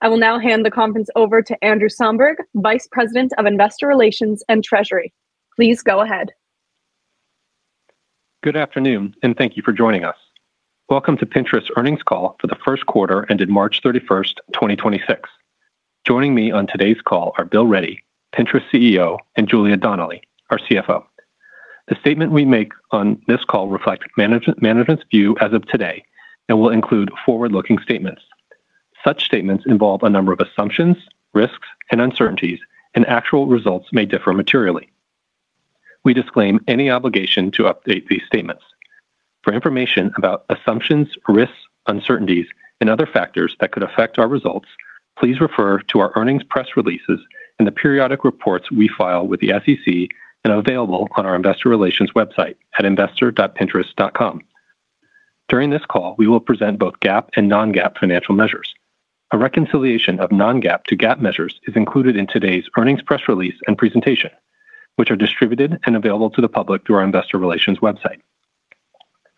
I will now hand the conference over to Andrew Somberg, Vice President of Investor Relations and Treasury. Please go ahead. Good afternoon, and thank you for joining us. Welcome to Pinterest's earnings call for the first quarter ended March 31st, 2026. Joining me on today's call are Bill Ready, Pinterest's CEO, and Julia Donnelly, our CFO. The statement we make on this call reflect management's view as of today and will include forward-looking statements. Such statements involve a number of assumptions, risks, and uncertainties, and actual results may differ materially. We disclaim any obligation to update these statements. For information about assumptions, risks, uncertainties, and other factors that could affect our results, please refer to our earnings press releases and the periodic reports we file with the SEC and available on our investor.pinterest.com. During this call, we will present both GAAP and non-GAAP financial measures. A reconciliation of non-GAAP to GAAP measures is included in today's earnings press release and presentation, which are distributed and available to the public through our investor relations website.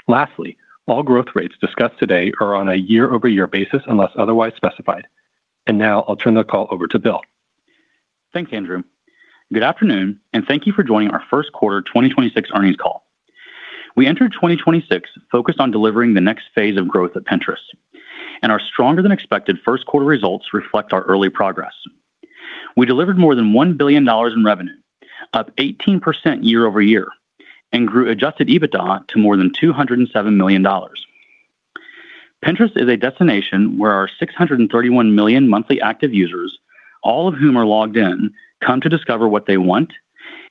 Lastly, all growth rates discussed today are on a year-over-year basis unless otherwise specified. Now I'll turn the call over to Bill. Thanks, Andrew. Good afternoon, and thank you for joining our first quarter 2026 earnings call. We entered 2026 focused on delivering the next phase of growth at Pinterest, and our stronger than expected first quarter results reflect our early progress. We delivered more than $1 billion in revenue, up 18% year-over-year, and grew adjusted EBITDA to more than $207 million. Pinterest is a destination where our 631 million monthly active users, all of whom are logged in, come to discover what they want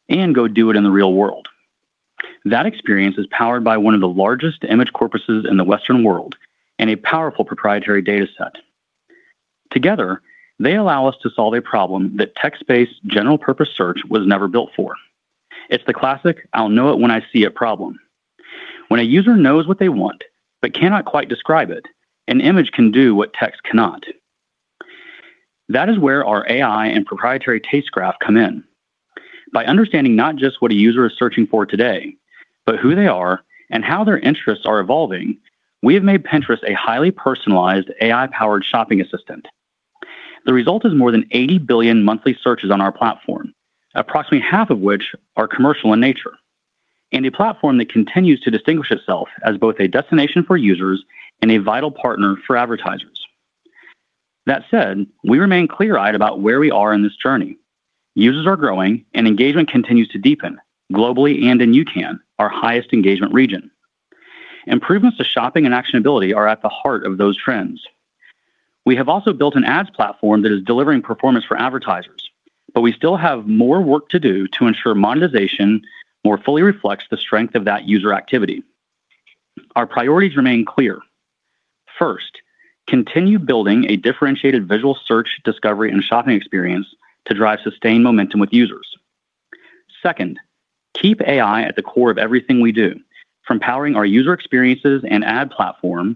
and go do it in the real world. That experience is powered by one of the largest image corpuses in the Western world and a powerful proprietary data set. Together, they allow us to solve a problem that text-based general purpose search was never built for. It's the classic I'll-know-it-when-I-see-it problem. When a user knows what they want but cannot quite describe it, an image can do what text cannot. That is where our AI and proprietary Taste Graph come in. By understanding not just what a user is searching for today, but who they are and how their interests are evolving, we have made Pinterest a highly personalized AI-powered shopping assistant. The result is more than 80 billion monthly searches on our platform, approximately half of which are commercial in nature, and a platform that continues to distinguish itself as both a destination for users and a vital partner for advertisers. That said, we remain clear-eyed about where we are in this journey. Users are growing, and engagement continues to deepen globally and in UCAN, our highest engagement region. Improvements to shopping and actionability are at the heart of those trends. We have also built an ads platform that is delivering performance for advertisers, but we still have more work to do to ensure monetization more fully reflects the strength of that user activity. Our priorities remain clear. First, continue building a differentiated visual search, discovery, and shopping experience to drive sustained momentum with users. Second, keep AI at the core of everything we do, from powering our user experiences and ad platform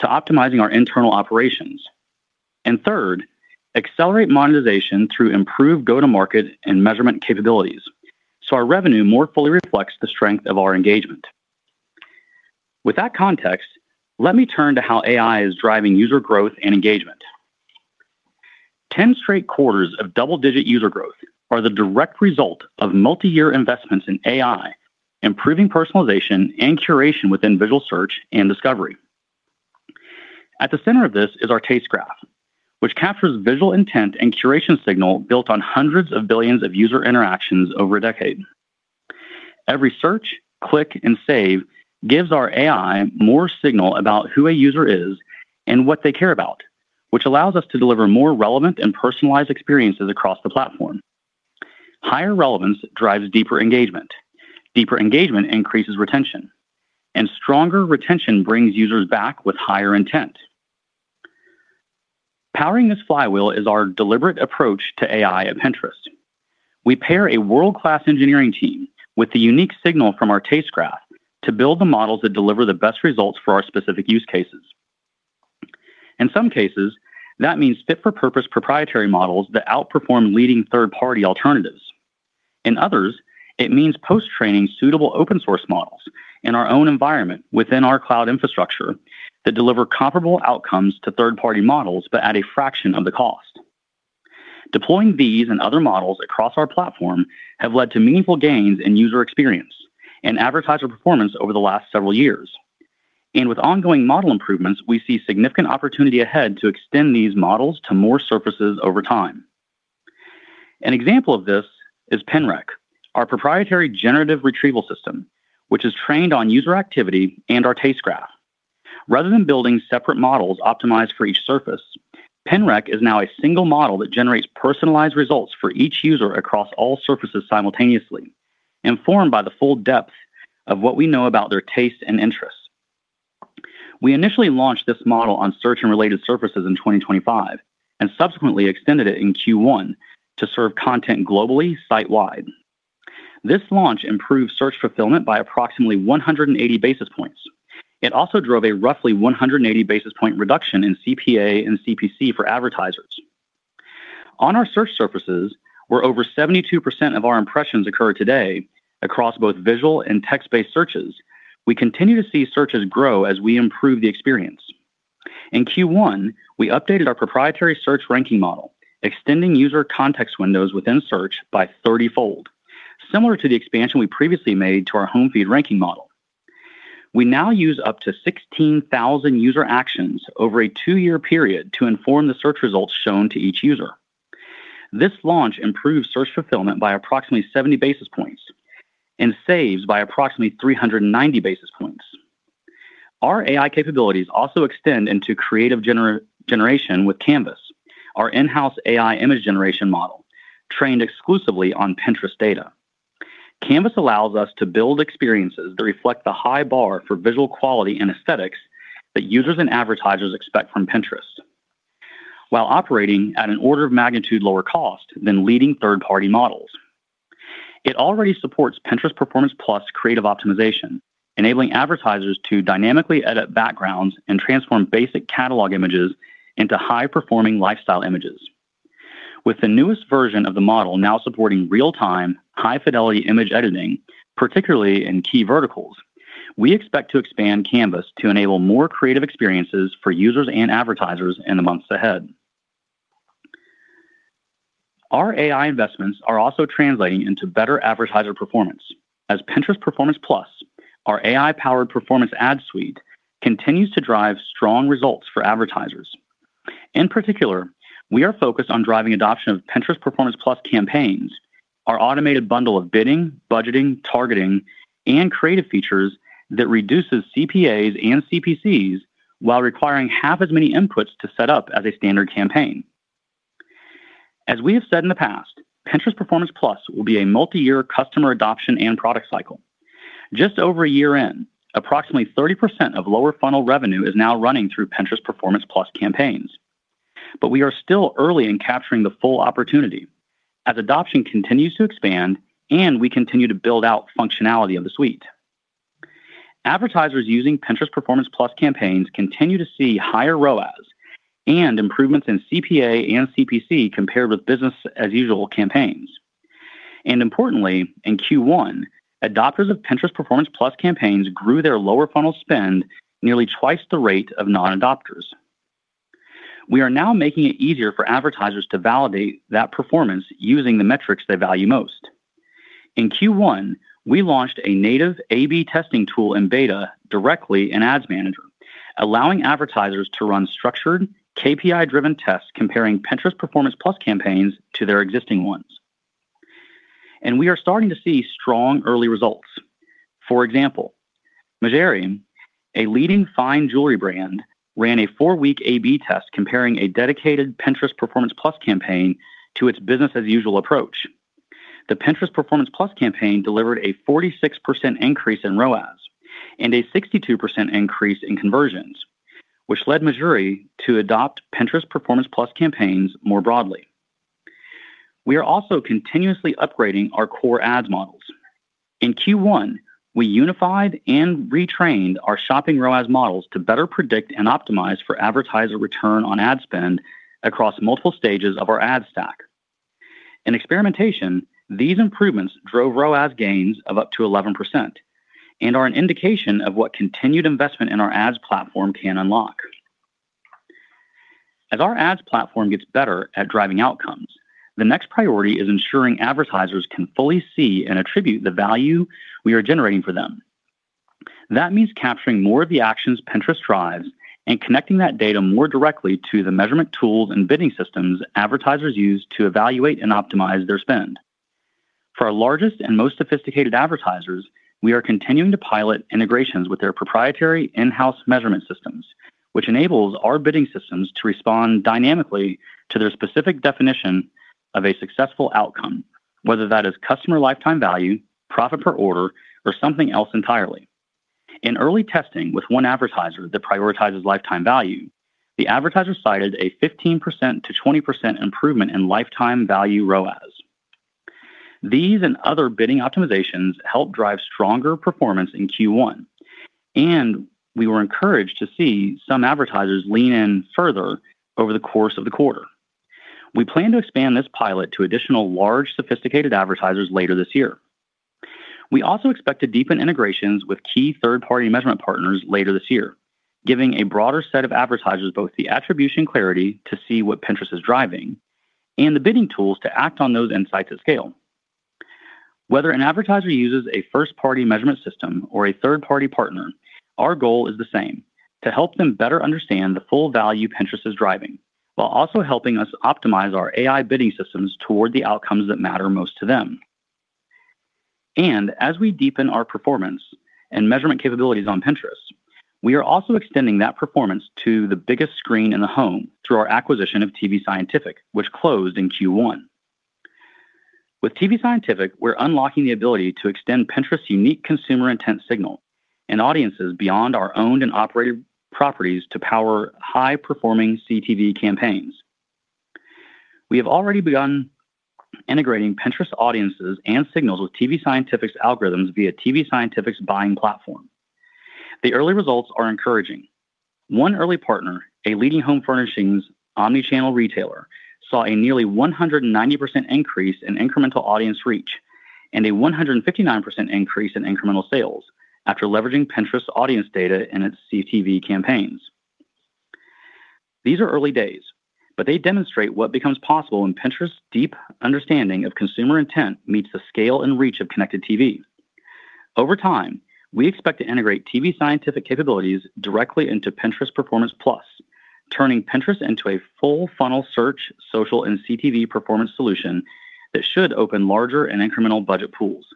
to optimizing our internal operations. Third, accelerate monetization through improved go-to-market and measurement capabilities, so our revenue more fully reflects the strength of our engagement. With that context, let me turn to how AI is driving user growth and engagement. 10 straight quarters of double-digit user growth are the direct result of multi-year investments in AI, improving personalization and curation within visual search and discovery. At the center of this is our Taste Graph, which captures visual intent and curation signal built on hundreds of billions of user interactions over a decade. Every search, click, and save gives our AI more signal about who a user is and what they care about, which allows us to deliver more relevant and personalized experiences across the platform. Higher relevance drives deeper engagement. Deeper engagement increases retention, and stronger retention brings users back with higher intent. Powering this flywheel is our deliberate approach to AI at Pinterest. We pair a world-class engineering team with the unique signal from our Taste Graph to build the models that deliver the best results for our specific use cases. In some cases, that means fit-for-purpose proprietary models that outperform leading third-party alternatives. In others, it means post-training suitable open source models in our own environment within our cloud infrastructure that deliver comparable outcomes to third-party models, but at a fraction of the cost. Deploying these and other models across our platform have led to meaningful gains in user experience and advertiser performance over the last several years. With ongoing model improvements, we see significant opportunity ahead to extend these models to more surfaces over time. An example of this is PinRec, our proprietary generative retrieval system, which is trained on user activity and our Taste Graph. Rather than building separate models optimized for each surface, PinRec is now a single model that generates personalized results for each user across all surfaces simultaneously, informed by the full depth of what we know about their taste and interests. We initially launched this model on search and related surfaces in 2025 and subsequently extended it in Q1 to serve content globally site-wide. This launch improved search fulfillment by approximately 180 basis points. It also drove a roughly 180 basis point reduction in CPA and CPC for advertisers. On our search surfaces where over 72% of our impressions occur today across both visual and text-based searches, we continue to see searches grow as we improve the experience. In Q1, we updated our proprietary search ranking model, extending user context windows within search by 30-fold, similar to the expansion we previously made to our home feed ranking model. We now use up to 16,000 user actions over a two-year period to inform the search results shown to each user. This launch improved search fulfillment by approximately 70 basis points and saves by approximately 390 basis points. Our AI capabilities also extend into creative generation with Canvas, our in-house AI image generation model trained exclusively on Pinterest data. Canvas allows us to build experiences that reflect the high bar for visual quality and aesthetics that users and advertisers expect from Pinterest while operating at an order of magnitude lower cost than leading third-party models. It already supports Pinterest Performance+ creative optimization, enabling advertisers to dynamically edit backgrounds and transform basic catalog images into high-performing lifestyle images. With the newest version of the model now supporting real-time high-fidelity image editing, particularly in key verticals, we expect to expand Canvas to enable more creative experiences for users and advertisers in the months ahead. Our AI investments are also translating into better advertiser performance as Pinterest Performance+, our AI-powered performance ad suite, continues to drive strong results for advertisers. In particular, we are focused on driving adoption of Pinterest Performance+ campaigns, our automated bundle of bidding, budgeting, targeting, and creative features that reduces CPAs and CPCs while requiring half as many inputs to set up as a standard campaign. As we have said in the past, Pinterest Performance+ will be a multi-year customer adoption and product cycle. Just over a year in, approximately 30% of lower funnel revenue is now running through Pinterest Performance+ campaigns. We are still early in capturing the full opportunity as adoption continues to expand and we continue to build out functionality of the suite. Advertisers using Pinterest Performance+ campaigns continue to see higher ROAS and improvements in CPA and CPC compared with business as usual campaigns. Importantly, in Q1, adopters of Pinterest Performance+ campaigns grew their lower funnel spend nearly twice the rate of non-adopters. We are now making it easier for advertisers to validate that performance using the metrics they value most. In Q1, we launched a native A/B testing tool in beta directly in Ads Manager, allowing advertisers to run structured KPI-driven tests comparing Pinterest Performance+ campaigns to their existing ones. We are starting to see strong early results. For example, Mejuri, a leading fine jewelry brand, ran a four-week A/B test comparing a dedicated Pinterest Performance+ campaign to its business as usual approach. The Pinterest Performance+ campaign delivered a 46% increase in ROAS and a 62% increase in conversions, which led Mejuri to adopt Pinterest Performance+ campaigns more broadly. We are also continuously upgrading our core ads models. In Q1, we unified and retrained our shopping ROAS models to better predict and optimize for advertiser return on ad spend across multiple stages of our ad stack. In experimentation, these improvements drove ROAS gains of up to 11% and are an indication of what continued investment in our ads platform can unlock. As our ads platform gets better at driving outcomes, the next priority is ensuring advertisers can fully see and attribute the value we are generating for them. That means capturing more of the actions Pinterest drives and connecting that data more directly to the measurement tools and bidding systems advertisers use to evaluate and optimize their spend. For our largest and most sophisticated advertisers, we are continuing to pilot integrations with their proprietary in-house measurement systems, which enables our bidding systems to respond dynamically to their specific definition of a successful outcome, whether that is customer lifetime value, profit per order, or something else entirely. In early testing with one advertiser that prioritizes lifetime value, the advertiser cited a 15%-20% improvement in lifetime value ROAS. These and other bidding optimizations help drive stronger performance in Q1, and we were encouraged to see some advertisers lean in further over the course of the quarter. We plan to expand this pilot to additional large sophisticated advertisers later this year. We also expect to deepen integrations with key third-party measurement partners later this year, giving a broader set of advertisers both the attribution clarity to see what Pinterest is driving and the bidding tools to act on those insights at scale. Whether an advertiser uses a first-party measurement system or a third-party partner, our goal is the same: to help them better understand the full value Pinterest is driving, while also helping us optimize our AI bidding systems toward the outcomes that matter most to them. As we deepen our performance and measurement capabilities on Pinterest, we are also extending that performance to the biggest screen in the home through our acquisition of tvScientific, which closed in Q1. With tvScientific, we're unlocking the ability to extend Pinterest's unique consumer intent signal and audiences beyond our owned and operated properties to power high-performing CTV campaigns. We have already begun integrating Pinterest audiences and signals with tvScientific's algorithms via tvScientific's buying platform. The early results are encouraging. One early partner, a leading home furnishings omni-channel retailer, saw a nearly 190% increase in incremental audience reach and a 159% increase in incremental sales after leveraging Pinterest audience data in its CTV campaigns. These are early days, but they demonstrate what becomes possible when Pinterest's deep understanding of consumer intent meets the scale and reach of connected TV. Over time, we expect to integrate tvScientific capabilities directly into Pinterest Performance+, turning Pinterest into a full funnel search, social, and CTV performance solution that should open larger and incremental budget pools.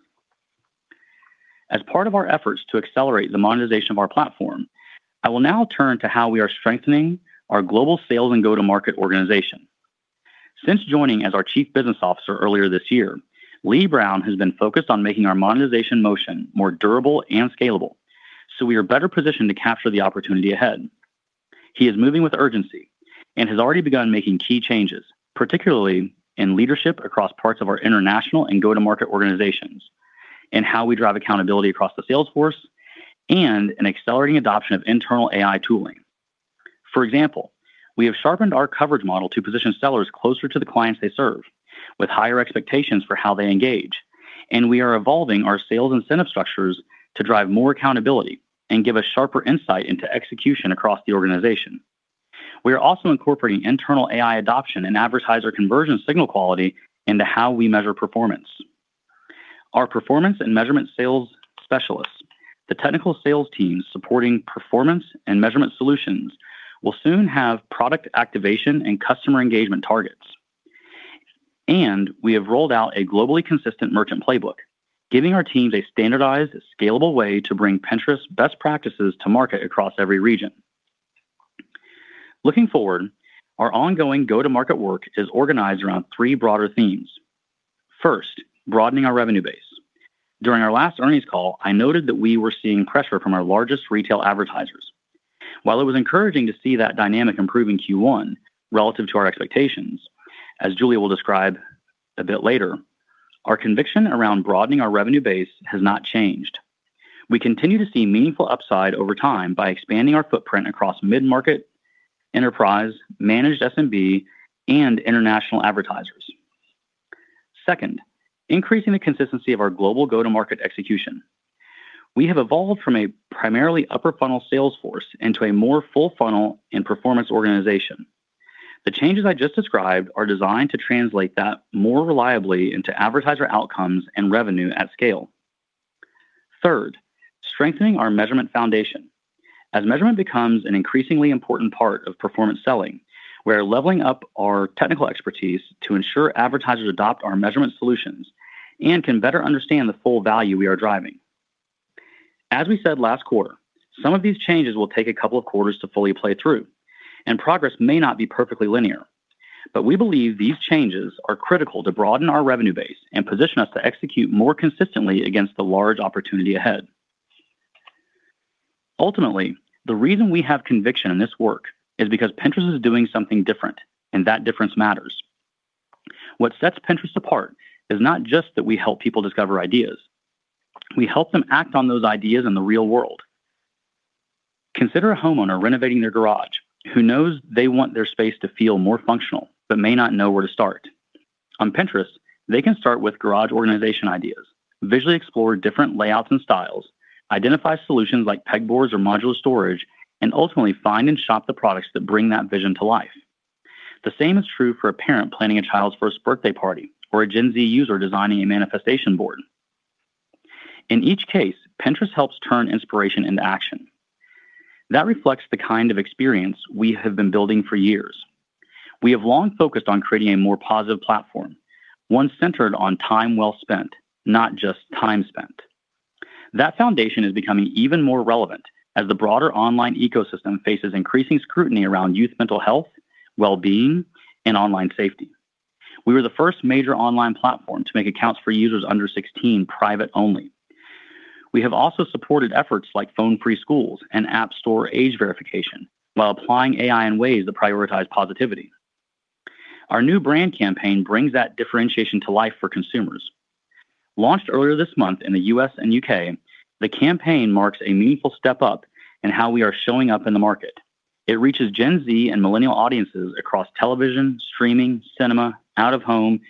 As part of our efforts to accelerate the monetization of our platform, I will now turn to how we are strengthening our global sales and go-to-market organization. Since joining as our Chief Business Officer earlier this year, Lee Brown has been focused on making our monetization motion more durable and scalable. We are better positioned to capture the opportunity ahead. He is moving with urgency and has already begun making key changes, particularly in leadership across parts of our international and go-to-market organizations, and how we drive accountability across the sales force and an accelerating adoption of internal AI tooling. For example, we have sharpened our coverage model to position sellers closer to the clients they serve with higher expectations for how they engage. We are evolving our sales incentive structures to drive more accountability and give a sharper insight into execution across the organization. We are also incorporating internal AI adoption and advertiser conversion signal quality into how we measure performance. Our performance and measurement sales specialists, the technical sales teams supporting performance and measurement solutions, will soon have product activation and customer engagement targets. We have rolled out a globally consistent merchant playbook, giving our teams a standardized, scalable way to bring Pinterest best practices to market across every region. Looking forward, our ongoing go-to-market work is organized around 3 broader themes. First, broadening our revenue base. During our last earnings call, I noted that we were seeing pressure from our largest retail advertisers. While it was encouraging to see that dynamic improve in Q1 relative to our expectations, as Julia will describe a bit later, our conviction around broadening our revenue base has not changed. We continue to see meaningful upside over time by expanding our footprint across mid-market enterprise, managed SMB, and international advertisers. Second, increasing the consistency of our global go-to-market execution. We have evolved from a primarily upper funnel sales force into a more full funnel and performance organization. The changes I just described are designed to translate that more reliably into advertiser outcomes and revenue at scale. Third, strengthening our measurement foundation. As measurement becomes an increasingly important part of performance selling, we're leveling up our technical expertise to ensure advertisers adopt our measurement solutions and can better understand the full value we are driving. As we said last quarter, some of these changes will take a couple of quarters to fully play through, and progress may not be perfectly linear. We believe these changes are critical to broaden our revenue base and position us to execute more consistently against the large opportunity ahead. Ultimately, the reason we have conviction in this work is because Pinterest is doing something different, and that difference matters. What sets Pinterest apart is not just that we help people discover ideas. We help them act on those ideas in the real world. Consider a homeowner renovating their garage, who knows they want their space to feel more functional but may not know where to start. On Pinterest, they can start with garage organization ideas, visually explore different layouts and styles, identify solutions like pegboards or modular storage, and ultimately find and shop the products that bring that vision to life. The same is true for a parent planning a child's first birthday party or a Gen Z user designing a manifestation board. In each case, Pinterest helps turn inspiration into action. That reflects the kind of experience we have been building for years. We have long focused on creating a more positive platform, one centered on time well spent, not just time spent. That foundation is becoming even more relevant as the broader online ecosystem faces increasing scrutiny around youth mental health, well-being, and online safety. We were the first major online platform to make accounts for users under 16 private only. We have also supported efforts like phone preschools and app store age verification while applying AI in ways that prioritize positivity. Our new brand campaign brings that differentiation to life for consumers. Launched earlier this month in the U.S. and U.K., the campaign marks a meaningful step up in how we are showing up in the market. It reaches Gen Z and millennial audiences across television, streaming, cinema, out-of-home,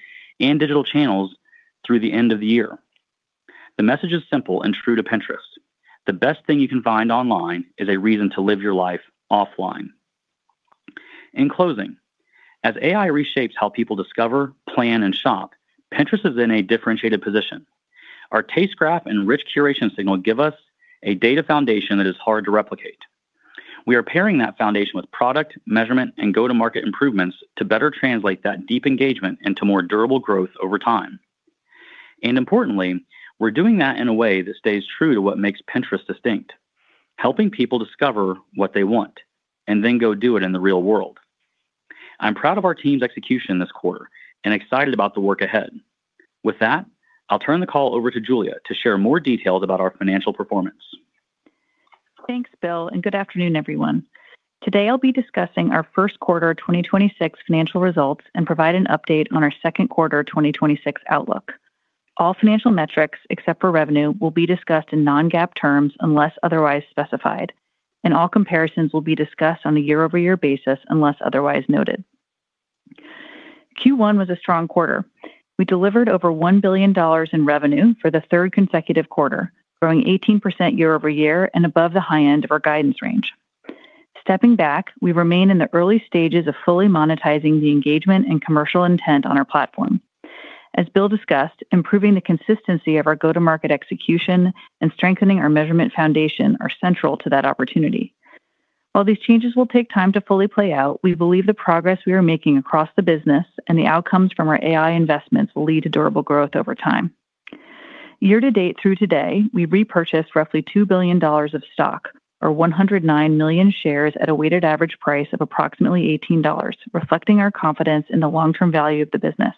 and digital channels through the end of the year. The message is simple and true to Pinterest. The best thing you can find online is a reason to live your life offline. In closing, as AI reshapes how people discover, plan, and shop, Pinterest is in a differentiated position. Our Taste Graph and rich curation signal give us a data foundation that is hard to replicate. We are pairing that foundation with product, measurement, and go-to-market improvements to better translate that deep engagement into more durable growth over time. Importantly, we're doing that in a way that stays true to what makes Pinterest distinct, helping people discover what they want and then go do it in the real world. I'm proud of our team's execution this quarter and excited about the work ahead. With that, I'll turn the call over to Julia to share more details about our financial performance. Thanks, Bill, and good afternoon, everyone. Today, I'll be discussing our first quarter 2026 financial results and provide an update on our second quarter 2026 outlook. All financial metrics, except for revenue, will be discussed in non-GAAP terms unless otherwise specified, and all comparisons will be discussed on a year-over-year basis unless otherwise noted. Q1 was a strong quarter. We delivered over $1 billion in revenue for the third consecutive quarter, growing 18% year-over-year and above the high end of our guidance range. Stepping back, we remain in the early stages of fully monetizing the engagement and commercial intent on our platform. As Bill discussed, improving the consistency of our go-to-market execution and strengthening our measurement foundation are central to that opportunity. While these changes will take time to fully play out, we believe the progress we are making across the business and the outcomes from our AI investments will lead to durable growth over time. Year-to-date through today, we repurchased roughly $2 billion of stock, or 109 million shares at a weighted average price of approximately $18, reflecting our confidence in the long-term value of the business.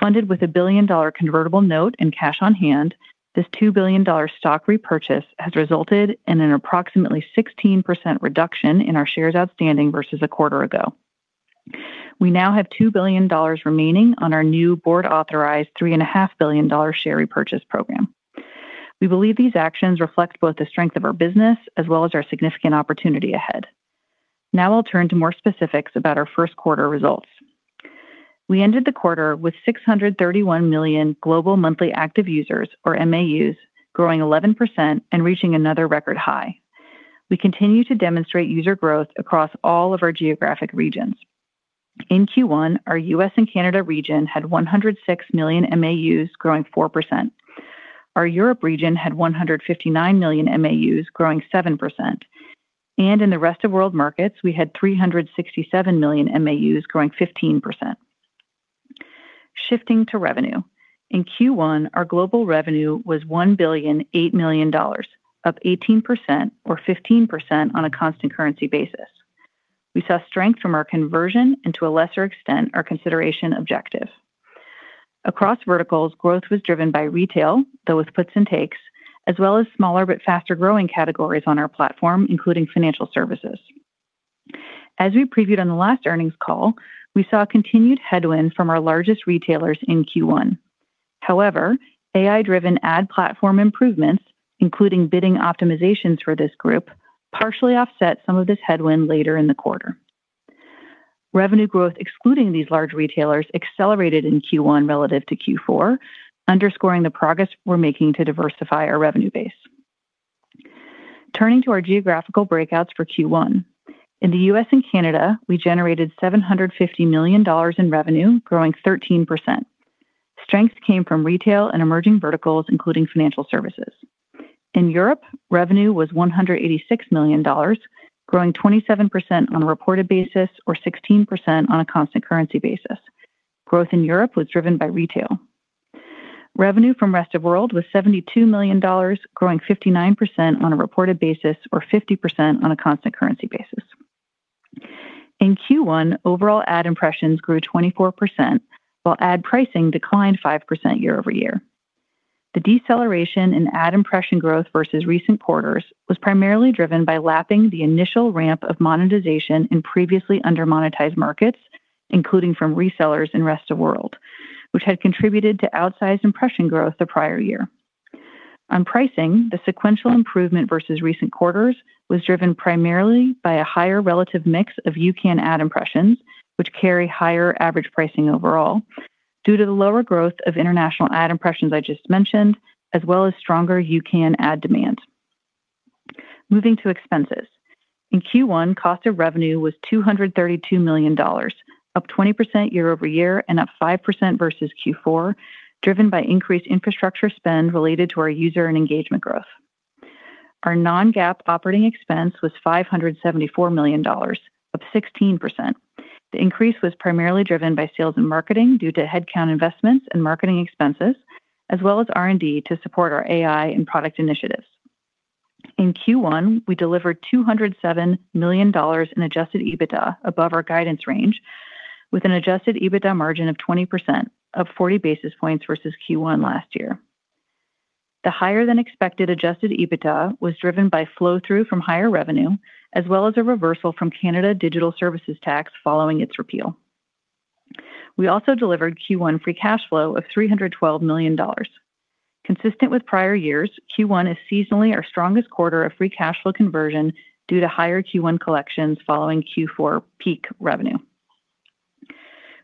Funded with a billion-dollar convertible note and cash on hand, this $2 billion dollar stock repurchase has resulted in an approximately 16% reduction in our shares outstanding versus a quarter ago. We now have $2 billion remaining on our new board-authorized $3.5 billion share repurchase program. We believe these actions reflect both the strength of our business as well as our significant opportunity ahead. Now I'll turn to more specifics about our first quarter results. We ended the quarter with 631 million global monthly active users, or MAUs, growing 11% and reaching another record high. We continue to demonstrate user growth across all of our geographic regions. In Q1, our U.S. and Canada region had 106 million MAUs, growing 4%. Our Europe region had 159 million MAUs, growing 7%. In the rest of world markets, we had 367 million MAUs, growing 15%. Shifting to revenue. In Q1, our global revenue was $1.008 billion, up 18% or 15% on a constant currency basis. We saw strength from our conversion and to a lesser extent, our consideration objective. Across verticals, growth was driven by retail, though with puts and takes, as well as smaller but faster-growing categories on our platform, including financial services. As we previewed on the last earnings call, we saw continued headwind from our largest retailers in Q1. However AI-driven ad platform improvements, including bidding optimizations for this group, partially offset some of this headwind later in the quarter. Revenue growth, excluding these large retailers, accelerated in Q1 relative to Q4, underscoring the progress we're making to diversify our revenue base. Turning to our geographical breakouts for Q1. In the U.S. and Canada, we generated $750 million in revenue, growing 13%. Strength came from retail and emerging verticals, including financial services. In Europe, revenue was $186 million, growing 27% on a reported basis or 16% on a constant currency basis. Growth in Europe was driven by retail. Revenue from rest of world was $72 million, growing 59% on a reported basis or 50% on a constant currency basis. In Q1, overall ad impressions grew 24%, while ad pricing declined 5% year-over-year. The deceleration in ad impression growth versus recent quarters was primarily driven by lapping the initial ramp of monetization in previously under-monetized markets, including from resellers in rest of world, which had contributed to outsized impression growth the prior year. On pricing, the sequential improvement versus recent quarters was driven primarily by a higher relative mix of UCAN ad impressions, which carry higher average pricing overall due to the lower growth of international ad impressions I just mentioned, as well as stronger UCAN ad demand. Moving to expenses. In Q1, cost of revenue was $232 million, up 20% year-over-year and up 5% versus Q4, driven by increased infrastructure spend related to our user and engagement growth. Our non-GAAP operating expense was $574 million, up 16%. The increase was primarily driven by sales and marketing due to headcount investments and marketing expenses, as well as R&D to support our AI and product initiatives. In Q1, we delivered $207 million in adjusted EBITDA above our guidance range with an adjusted EBITDA margin of 20%, up 40 basis points versus Q1 last year. The higher than expected adjusted EBITDA was driven by flow-through from higher revenue, as well as a reversal from Canada Digital Services Tax following its repeal. We also delivered Q1 free cash flow of $312 million. Consistent with prior years, Q1 is seasonally our strongest quarter of free cash flow conversion due to higher Q1 collections following Q4 peak revenue.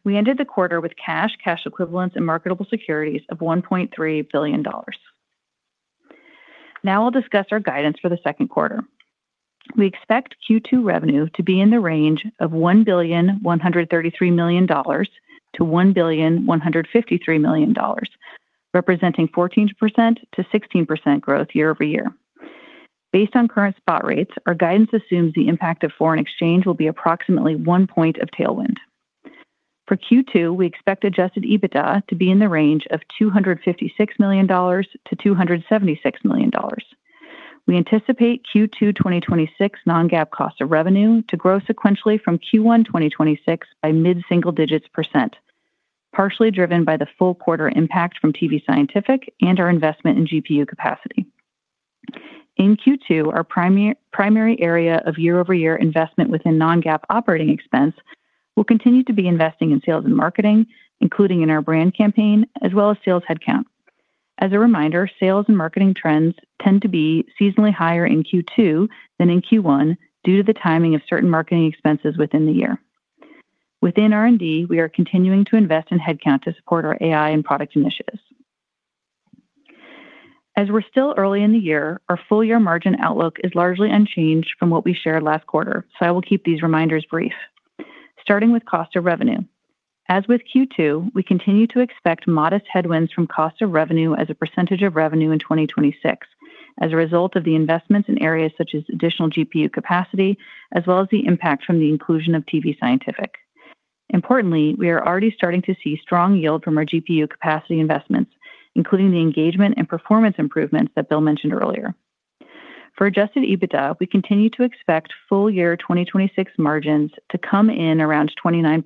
We ended the quarter with cash equivalents, and marketable securities of $1.3 billion. Now I'll discuss our guidance for the second quarter. We expect Q2 revenue to be in the range of $1.133 billion-$1.153 billion, representing 14%-16% growth year-over-year. Based on current spot rates, our guidance assumes the impact of foreign exchange will be approximately one point of tailwind. For Q2, we expect adjusted EBITDA to be in the range of $256 million-$276 million. We anticipate Q2 2026 non-GAAP cost of revenue to grow sequentially from Q1 2026 by mid-single digits percent, partially driven by the full quarter impact from tvScientific and our investment in GPU capacity. In Q2, our primary area of year-over-year investment within non-GAAP operating expense will continue to be investing in sales and marketing, including in our brand campaign, as well as sales headcount. As a reminder, sales and marketing trends tend to be seasonally higher in Q2 than in Q1 due to the timing of certain marketing expenses within the year. Within R&D, we are continuing to invest in headcount to support our AI and product initiatives. As we're still early in the year, our full year margin outlook is largely unchanged from what we shared last quarter. I will keep these reminders brief. Starting with cost of revenue. As with Q2, we continue to expect modest headwinds from cost of revenue as a percentage of revenue in 2026 as a result of the investments in areas such as additional GPU capacity, as well as the impact from the inclusion of tvScientific. Importantly, we are already starting to see strong yield from our GPU capacity investments, including the engagement and performance improvements that Bill mentioned earlier. For adjusted EBITDA, we continue to expect full year 2026 margins to come in around 29%,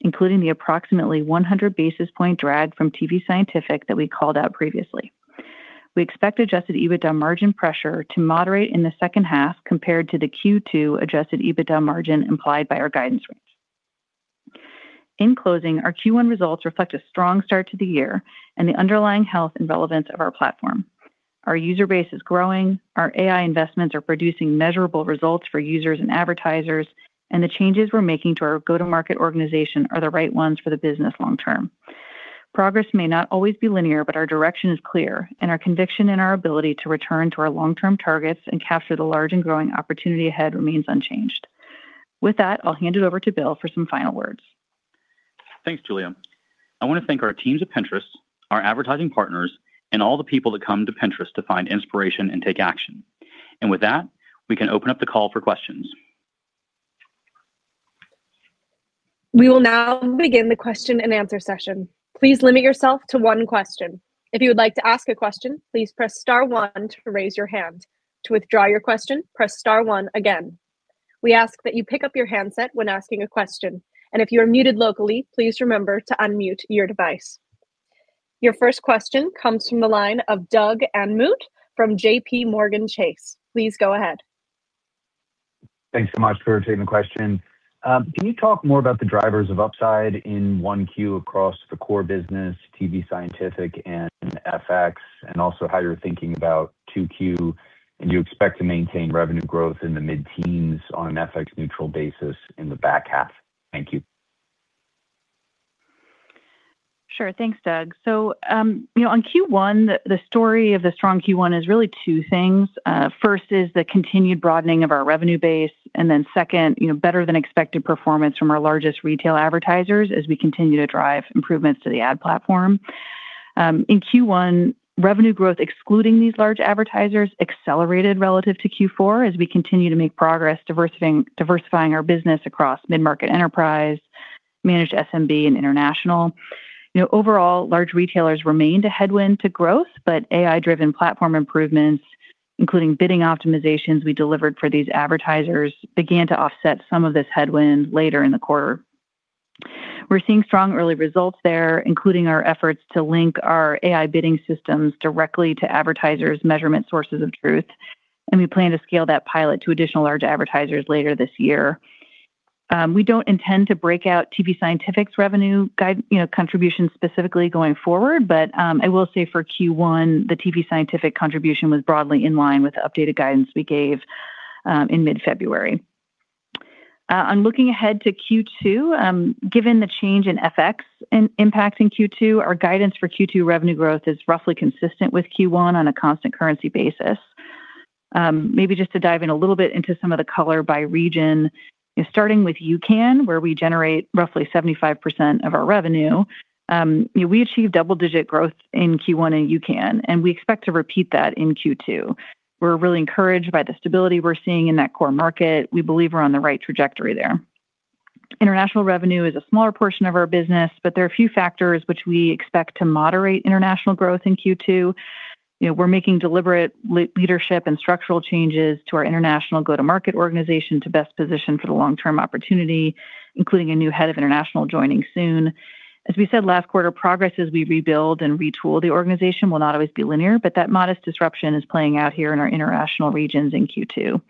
including the approximately 100 basis point drag from tvScientific that we called out previously. We expect adjusted EBITDA margin pressure to moderate in the second half compared to the Q2 adjusted EBITDA margin implied by our guidance range. In closing, our Q1 results reflect a strong start to the year and the underlying health and relevance of our platform. Our user base is growing, our AI investments are producing measurable results for users and advertisers, and the changes we're making to our go-to-market organization are the right ones for the business long term. Progress may not always be linear, but our direction is clear, and our conviction in our ability to return to our long-term targets and capture the large and growing opportunity ahead remains unchanged. With that, I'll hand it over to Bill for some final words. Thanks, Julia. I want to thank our teams at Pinterest, our advertising partners, and all the people that come to Pinterest to find inspiration and take action. With that, we can open up the call for questions. We will now begin the question and answer session. Please limit yourself to one question. If you would like to ask a question, please press star one to raise your hand. To withdraw your question, press star one again. We ask that you pick up your handset when asking a question, and if you are muted locally, please remember to unmute your device. Your first question comes from the line of Doug Anmuth from JPMorgan Chase. Please go ahead. Thanks so much for taking the question. Can you talk more about the drivers of upside in 1Q across the core business, tvScientific and FX, and also how you're thinking about 2Q? Do you expect to maintain revenue growth in the mid-teens on an FX neutral basis in the back half? Thank you. Sure. Thanks, Doug. You know, on Q1, the story of the strong Q1 is really two things. First is the continued broadening of our revenue base, and then second, you know, better than expected performance from our largest retail advertisers as we continue to drive improvements to the ad platform. In Q1, revenue growth excluding these large advertisers accelerated relative to Q4 as we continue to make progress diversifying our business across mid-market enterprise, managed SMB and international. You know, overall, large retailers remained a headwind to growth, but AI-driven platform improvements, including bidding optimizations we delivered for these advertisers, began to offset some of this headwind later in the quarter. We're seeing strong early results there, including our efforts to link our AI bidding systems directly to advertisers' measurement sources of truth, and we plan to scale that pilot to additional large advertisers later this year. We don't intend to break out tvScientific's revenue guide, you know, contributions specifically going forward, but I will say for Q1, the tvScientific contribution was broadly in line with the updated guidance we gave in mid-February. On looking ahead to Q2, given the change in FX in impacting Q2, our guidance for Q2 revenue growth is roughly consistent with Q1 on a constant currency basis. Maybe just to dive in a little bit into some of the color by region, starting with UCAN, where we generate roughly 75% of our revenue, you know, we achieved double-digit growth in Q1 in UCAN, and we expect to repeat that in Q2. We're really encouraged by the stability we're seeing in that core market. We believe we're on the right trajectory there. International revenue is a smaller portion of our business, there are a few factors which we expect to moderate international growth in Q2. You know, we're making deliberate leadership and structural changes to our international go-to-market organization to best position for the long-term opportunity, including a new Head of International joining soon. As we said last quarter, progress as we rebuild and retool the organization will not always be linear, but that modest disruption is playing out here in our international regions in Q2.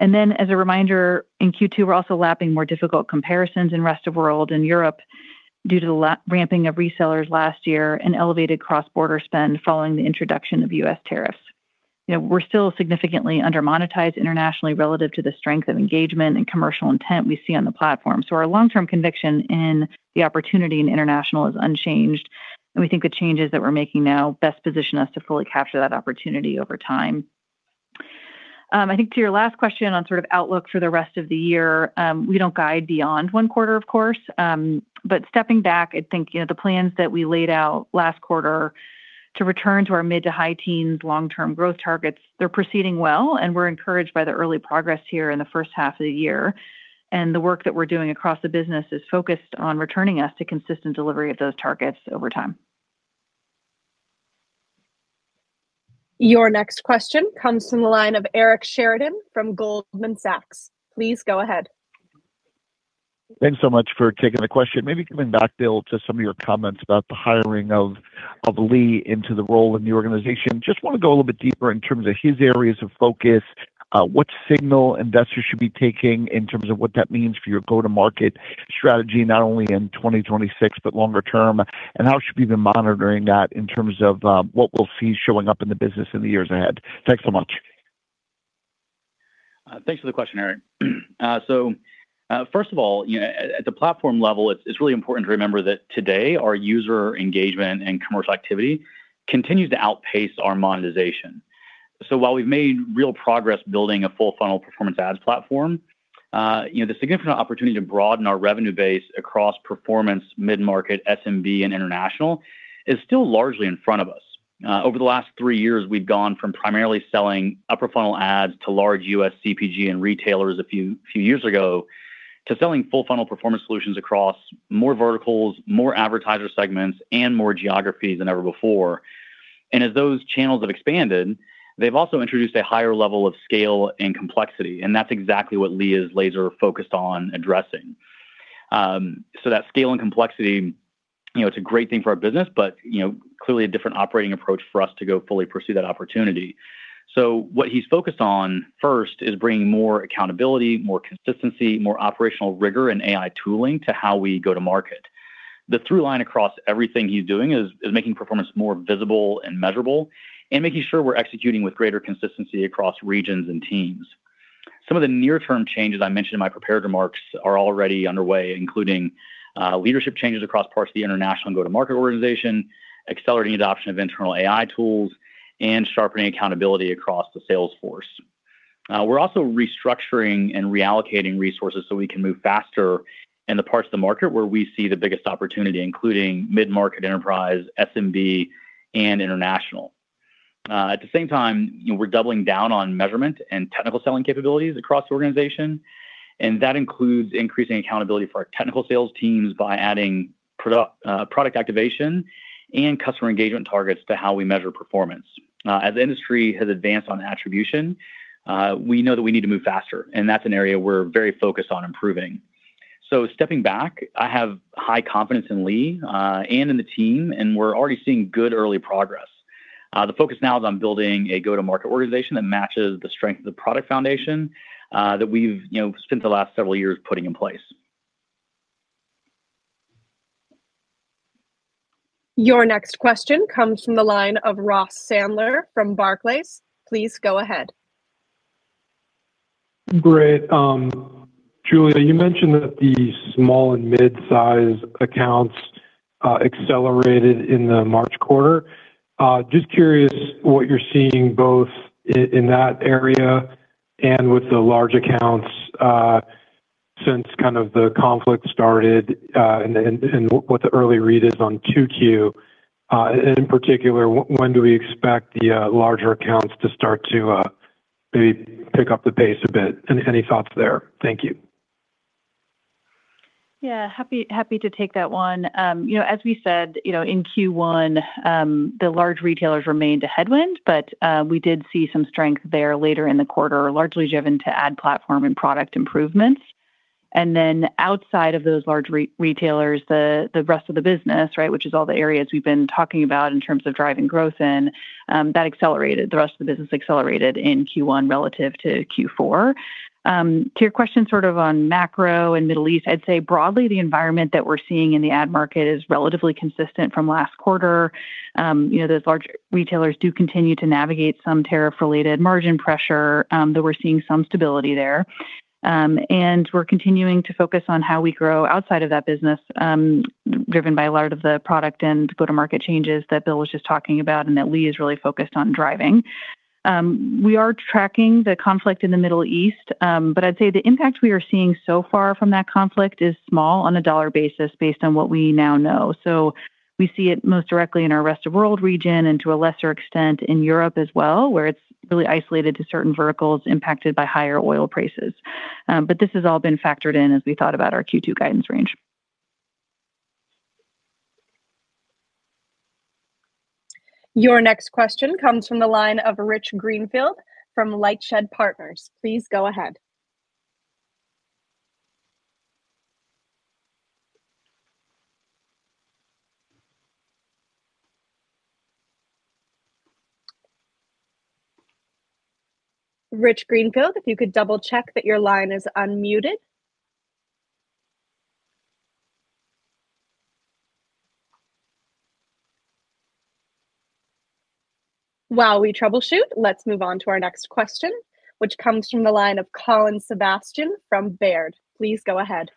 As a reminder, in Q2, we're also lapping more difficult comparisons in rest of world and Europe due to the ramping of resellers last year and elevated cross-border spend following the introduction of U.S. tariffs. You know, we're still significantly under-monetized internationally relative to the strength of engagement and commercial intent we see on the platform. Our long-term conviction in the opportunity in international is unchanged, and we think the changes that we're making now best position us to fully capture that opportunity over time. I think to your last question on sort of outlook for the rest of the year, we don't guide beyond one quarter, of course. Stepping back, I think, you know, the plans that we laid out last quarter to return to our mid to high teens long-term growth targets, they're proceeding well, and we're encouraged by the early progress here in the first half of the year. The work that we're doing across the business is focused on returning us to consistent delivery of those targets over time. Your next question comes from the line of Eric Sheridan from Goldman Sachs. Please go ahead. Thanks so much for taking the question. Maybe coming back, Bill, to some of your comments about the hiring of Lee into the role in the organization. Just wanna go a little bit deeper in terms of his areas of focus, what signal investors should be taking in terms of what that means for your go-to-market strategy, not only in 2026, but longer term, and how should we be monitoring that in terms of what we'll see showing up in the business in the years ahead? Thanks so much. Thanks for the question, Eric. First of all, you know, at the platform level, it's really important to remember that today our user engagement and commercial activity continues to outpace our monetization. While we've made real progress building a full funnel performance ads platform, you know, the significant opportunity to broaden our revenue base across performance mid-market SMB and international is still largely in front of us. Over the last three years, we've gone from primarily selling upper funnel ads to large U.S. CPG and retailers a few years ago to selling full funnel performance solutions across more verticals, more advertiser segments, and more geographies than ever before. As those channels have expanded, they've also introduced a higher level of scale and complexity, and that's exactly what Lee is laser focused on addressing. That scale and complexity, you know, it's a great thing for our business, but, you know, clearly a different operating approach for us to go fully pursue that opportunity. What he's focused on first is bringing more accountability, more consistency, more operational rigor, and AI tooling to how we go to market. The through line across everything he's doing is making performance more visible and measurable and making sure we're executing with greater consistency across regions and teams. Some of the near term changes I mentioned in my prepared remarks are already underway, including leadership changes across parts of the international go-to-market organization, accelerating adoption of internal AI tools, and sharpening accountability across the sales force. We're also restructuring and reallocating resources so we can move faster in the parts of the market where we see the biggest opportunity, including mid-market enterprise, SMB, and international. At the same time, you know, we're doubling down on measurement and technical selling capabilities across the organization, and that includes increasing accountability for our technical sales teams by adding product activation and customer engagement targets to how we measure performance. As the industry has advanced on attribution, we know that we need to move faster, and that's an area we're very focused on improving. Stepping back, I have high confidence in Lee and in the team, and we're already seeing good early progress. The focus now is on building a go-to-market organization that matches the strength of the product foundation, that we've, you know, spent the last several years putting in place. Your next question comes from the line of Ross Sandler from Barclays. Please go ahead. Great. Julia, you mentioned that the small and mid-size accounts accelerated in the March quarter. Just curious what you're seeing both in that area and with the large accounts, since kind of the conflict started, and what the early read is on 2Q. In particular, when do we expect the larger accounts to start to maybe pick up the pace a bit? Any thoughts there? Thank you. Yeah, happy to take that one. You know, as we said, you know, in Q1, the large retailers remained a headwind, but we did see some strength there later in the quarter, largely driven to ad platform and product improvements. Then outside of those large retailers, the rest of the business, right, which is all the areas we've been talking about in terms of driving growth in, that accelerated. The rest of the business accelerated in Q1 relative to Q4. To your question sort of on macro and Middle East, I'd say broadly, the environment that we're seeing in the ad market is relatively consistent from last quarter. You know, those large retailers do continue to navigate some tariff-related margin pressure, though we're seeing some stability there. We're continuing to focus on how we grow outside of that business, driven by a lot of the product and go-to-market changes that Bill was just talking about and that Lee is really focused on driving. We are tracking the conflict in the Middle East, I'd say the impact we are seeing so far from that conflict is small on a dollar basis based on what we now know. We see it most directly in our rest of world region and to a lesser extent in Europe as well, where it's really isolated to certain verticals impacted by higher oil prices. This has all been factored in as we thought about our Q2 guidance range. Your next question comes from the line of Rich Greenfield from LightShed Partners. Please go ahead. Rich Greenfield, if you could double-check that your line is unmuted. While we troubleshoot, let's move on to our next question, which comes from the line of Colin Sebastian from Baird. Please go ahead.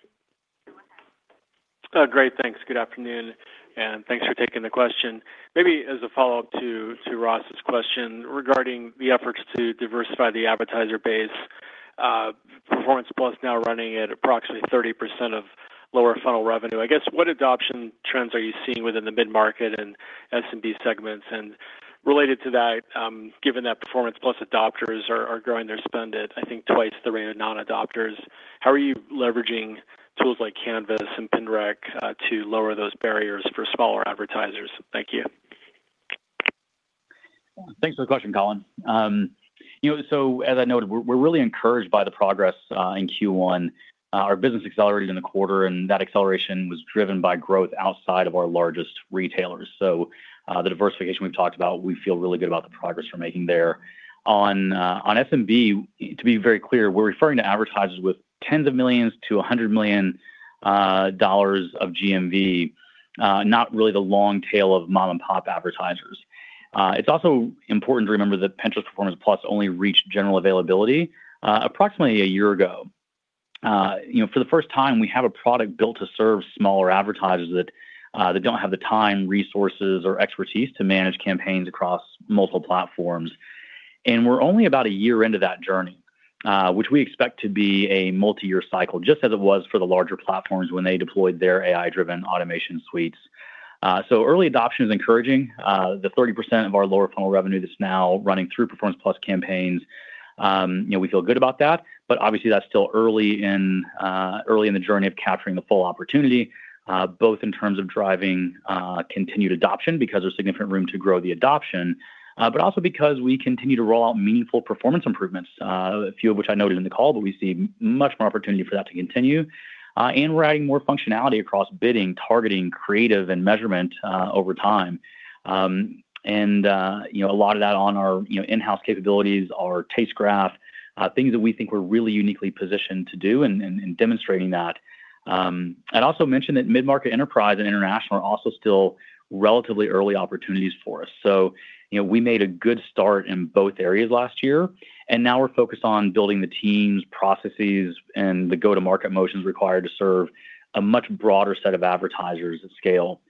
Great. Thanks. Good afternoon, thanks for taking the question. Maybe as a follow-up to Ross' question regarding the efforts to diversify the advertiser base, Pinterest Performance+ now running at approximately 30% of lower funnel revenue. I guess, what adoption trends are you seeing within the mid-market and SMB segments? Related to that, you know, given that Pinterest Performance+ adopters are growing their spend at, I think, twice the rate of non-adopters, how are you leveraging tools like Canvas and PinRec to lower those barriers for smaller advertisers? Thank you. Thanks for the question, Colin. You know, as I noted, we're really encouraged by the progress in Q1. Our business accelerated in the quarter, that acceleration was driven by growth outside of our largest retailers. The diversification we've talked about, we feel really good about the progress we're making there. On SMB, to be very clear, we're referring to advertisers with tens of millions to $100 million of GMV, not really the long tail of mom-and-pop advertisers. It's also important to remember that Pinterest Performance+ only reached general availability approximately a year ago. You know, for the first time, we have a product built to serve smaller advertisers that don't have the time, resources, or expertise to manage campaigns across multiple platforms. We're only about a year into that journey, which we expect to be a multi-year cycle, just as it was for the larger platforms when they deployed their AI-driven automation suites. Early adoption is encouraging. The 30% of our lower funnel revenue that's now running through Pinterest Performance+ campaigns, you know, we feel good about that, but obviously that's still early in early in the journey of capturing the full opportunity, both in terms of driving continued adoption because there's significant room to grow the adoption, but also because we continue to roll out meaningful performance improvements, a few of which I noted in the call, but we see much more opportunity for that to continue. We're adding more functionality across bidding, targeting, creative, and measurement over time. You know, a lot of that on our, you know, in-house capabilities, our Taste Graph, things that we think we're really uniquely positioned to do and demonstrating that. I'd also mention that mid-market enterprise and international are also still relatively early opportunities for us. You know, we made a good start in both areas last year, and now we're focused on building the teams, processes, and the go-to-market motions required to serve a much broader set of advertisers at scale.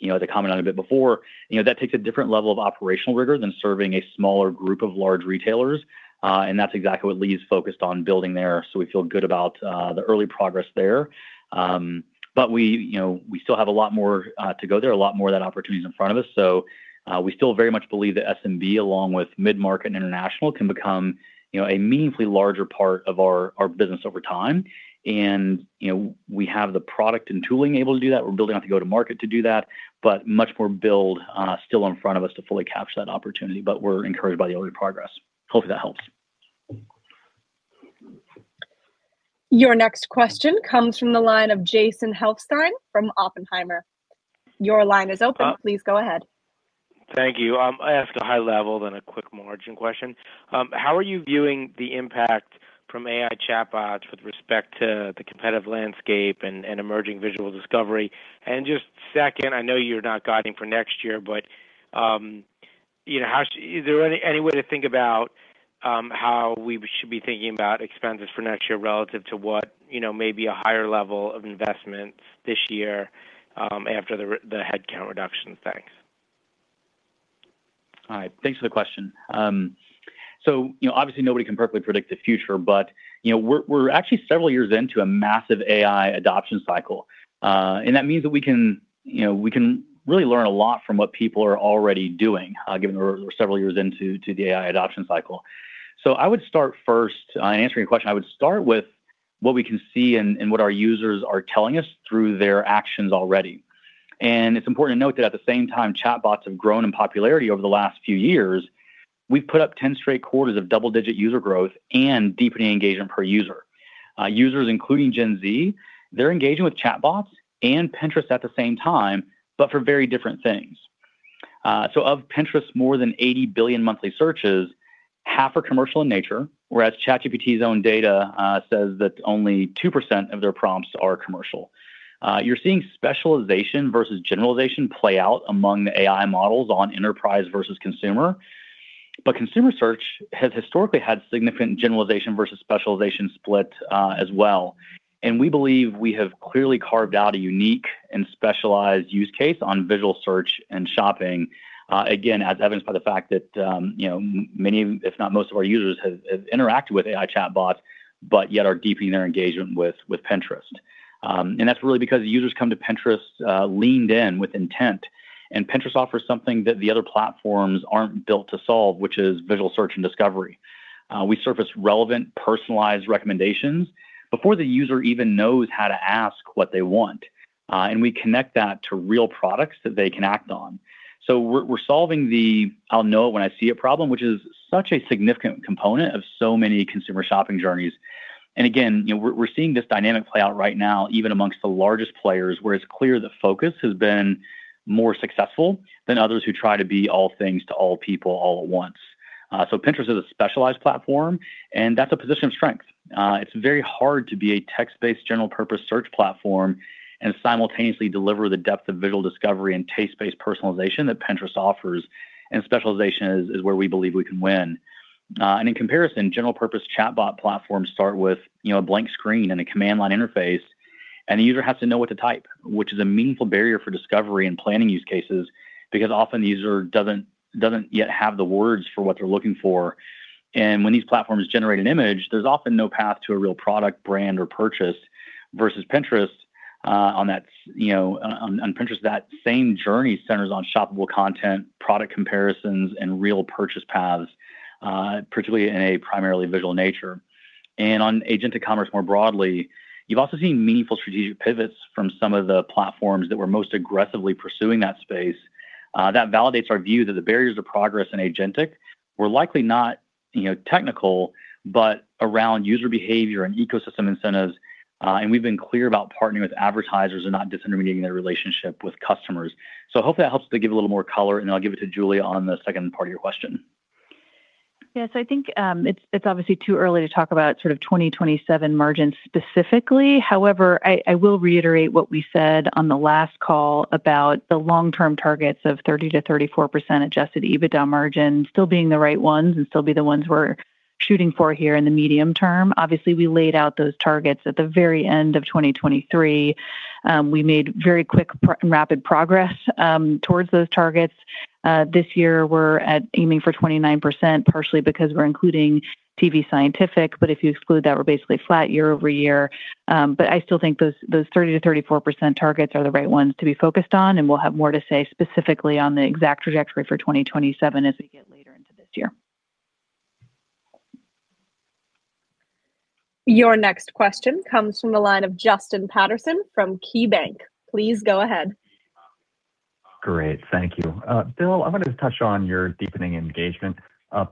You know, as I commented on a bit before, you know, that takes a different level of operational rigor than serving a smaller group of large retailers, and that's exactly what Lee's focused on building there, so we feel good about the early progress there. We, you know, we still have a lot more to go there, a lot more of that opportunity in front of us. We still very much believe that SMB, along with mid-market and international, can become, you know, a meaningfully larger part of our business over time. You know, we have the product and tooling able to do that. We're building out the go-to-market to do that, but much more build still in front of us to fully capture that opportunity. We're encouraged by the early progress. Hopefully, that helps. Your next question comes from the line of Jason Helfstein from Oppenheimer. Your line is open. Uh- Please go ahead. Thank you. I ask a high level, then a quick margin question. How are you viewing the impact from AI chatbots with respect to the competitive landscape and emerging visual discovery? Just second, I know you're not guiding for next year, but, you know, is there any way to think about how we should be thinking about expenses for next year relative to what, you know, may be a higher level of investments this year, after the headcount reductions? Thanks. All right. Thanks for the question. You know, obviously, nobody can perfectly predict the future but, you know, we're actually several years into a massive AI adoption cycle. That means that we can, you know, we can really learn a lot from what people are already doing, given we're several years into the AI adoption cycle. I would start first, in answering your question, I would start with what we can see and what our users are telling us through their actions already. It's important to note that at the same time chatbots have grown in popularity over the last few years, we've put up 10 straight quarters of double-digit user growth and deepening engagement per user. Users, including Gen Z, they're engaging with chatbots and Pinterest at the same time, but for very different things. So of Pinterest's more than 80 billion monthly searches, half are commercial in nature, whereas ChatGPT's own data says that only 2% of their prompts are commercial. You're seeing specialization versus generalization play out among the AI models on enterprise versus consumer. Consumer search has historically had significant generalization versus specialization split as well, and we believe we have clearly carved out a unique and specialized use case on visual search and shopping. Again, as evidenced by the fact that, you know, many, if not most of our users have interacted with AI chatbots, but yet are deepening their engagement with Pinterest. That's really because users come to Pinterest leaned in with intent, and Pinterest offers something that the other platforms aren't built to solve, which is visual search and discovery. We surface relevant, personalized recommendations before the user even knows how to ask what they want, and we connect that to real products that they can act on. We're, we're solving the "I'll know it when I see it" problem, which is such a significant component of so many consumer shopping journeys. Again, you know, we're seeing this dynamic play out right now, even amongst the largest players, where it's clear the focus has been more successful than others who try to be all things to all people all at once. Pinterest is a specialized platform, and that's a position of strength. It's very hard to be a text-based general purpose search platform and simultaneously deliver the depth of visual discovery and taste-based personalization that Pinterest offers, specialization is where we believe we can win. In comparison, general purpose chatbot platforms start with, you know, a blank screen and a command line interface, and the user has to know what to type, which is a meaningful barrier for discovery and planning use cases because often the user doesn't yet have the words for what they're looking for. When these platforms generate an image, there's often no path to a real product, brand, or purchase versus Pinterest, on that, you know, on Pinterest, that same journey centers on shoppable content, product comparisons, and real purchase paths, particularly in a primarily visual nature. On agent to commerce more broadly, you've also seen meaningful strategic pivots from some of the platforms that were most aggressively pursuing that space. That validates our view that the barriers to progress in agentic were likely not, you know, technical, but around user behavior and ecosystem incentives. We've been clear about partnering with advertisers and not disintermediating their relationship with customers. Hopefully that helps to give a little more color, then I'll give it to Julia on the second part of your question. Yes, I think, it's obviously too early to talk about sort of 2027 margins specifically. I will reiterate what we said on the last call about the long-term targets of 30%-34% adjusted EBITDA margin still being the right ones and still be the ones we're shooting for here in the medium term. We laid out those targets at the very end of 2023. We made very quick rapid progress towards those targets. This year we're at aiming for 29%, partially because we're including tvScientific, but if you exclude that, we're basically flat year-over-year. I still think those 30%-34% targets are the right ones to be focused on, and we'll have more to say specifically on the exact trajectory for 2027 as we get later into this year. Your next question comes from the line of Justin Patterson from KeyBanc. Please go ahead. Great. Thank you. Bill, I wanted to touch on your deepening engagement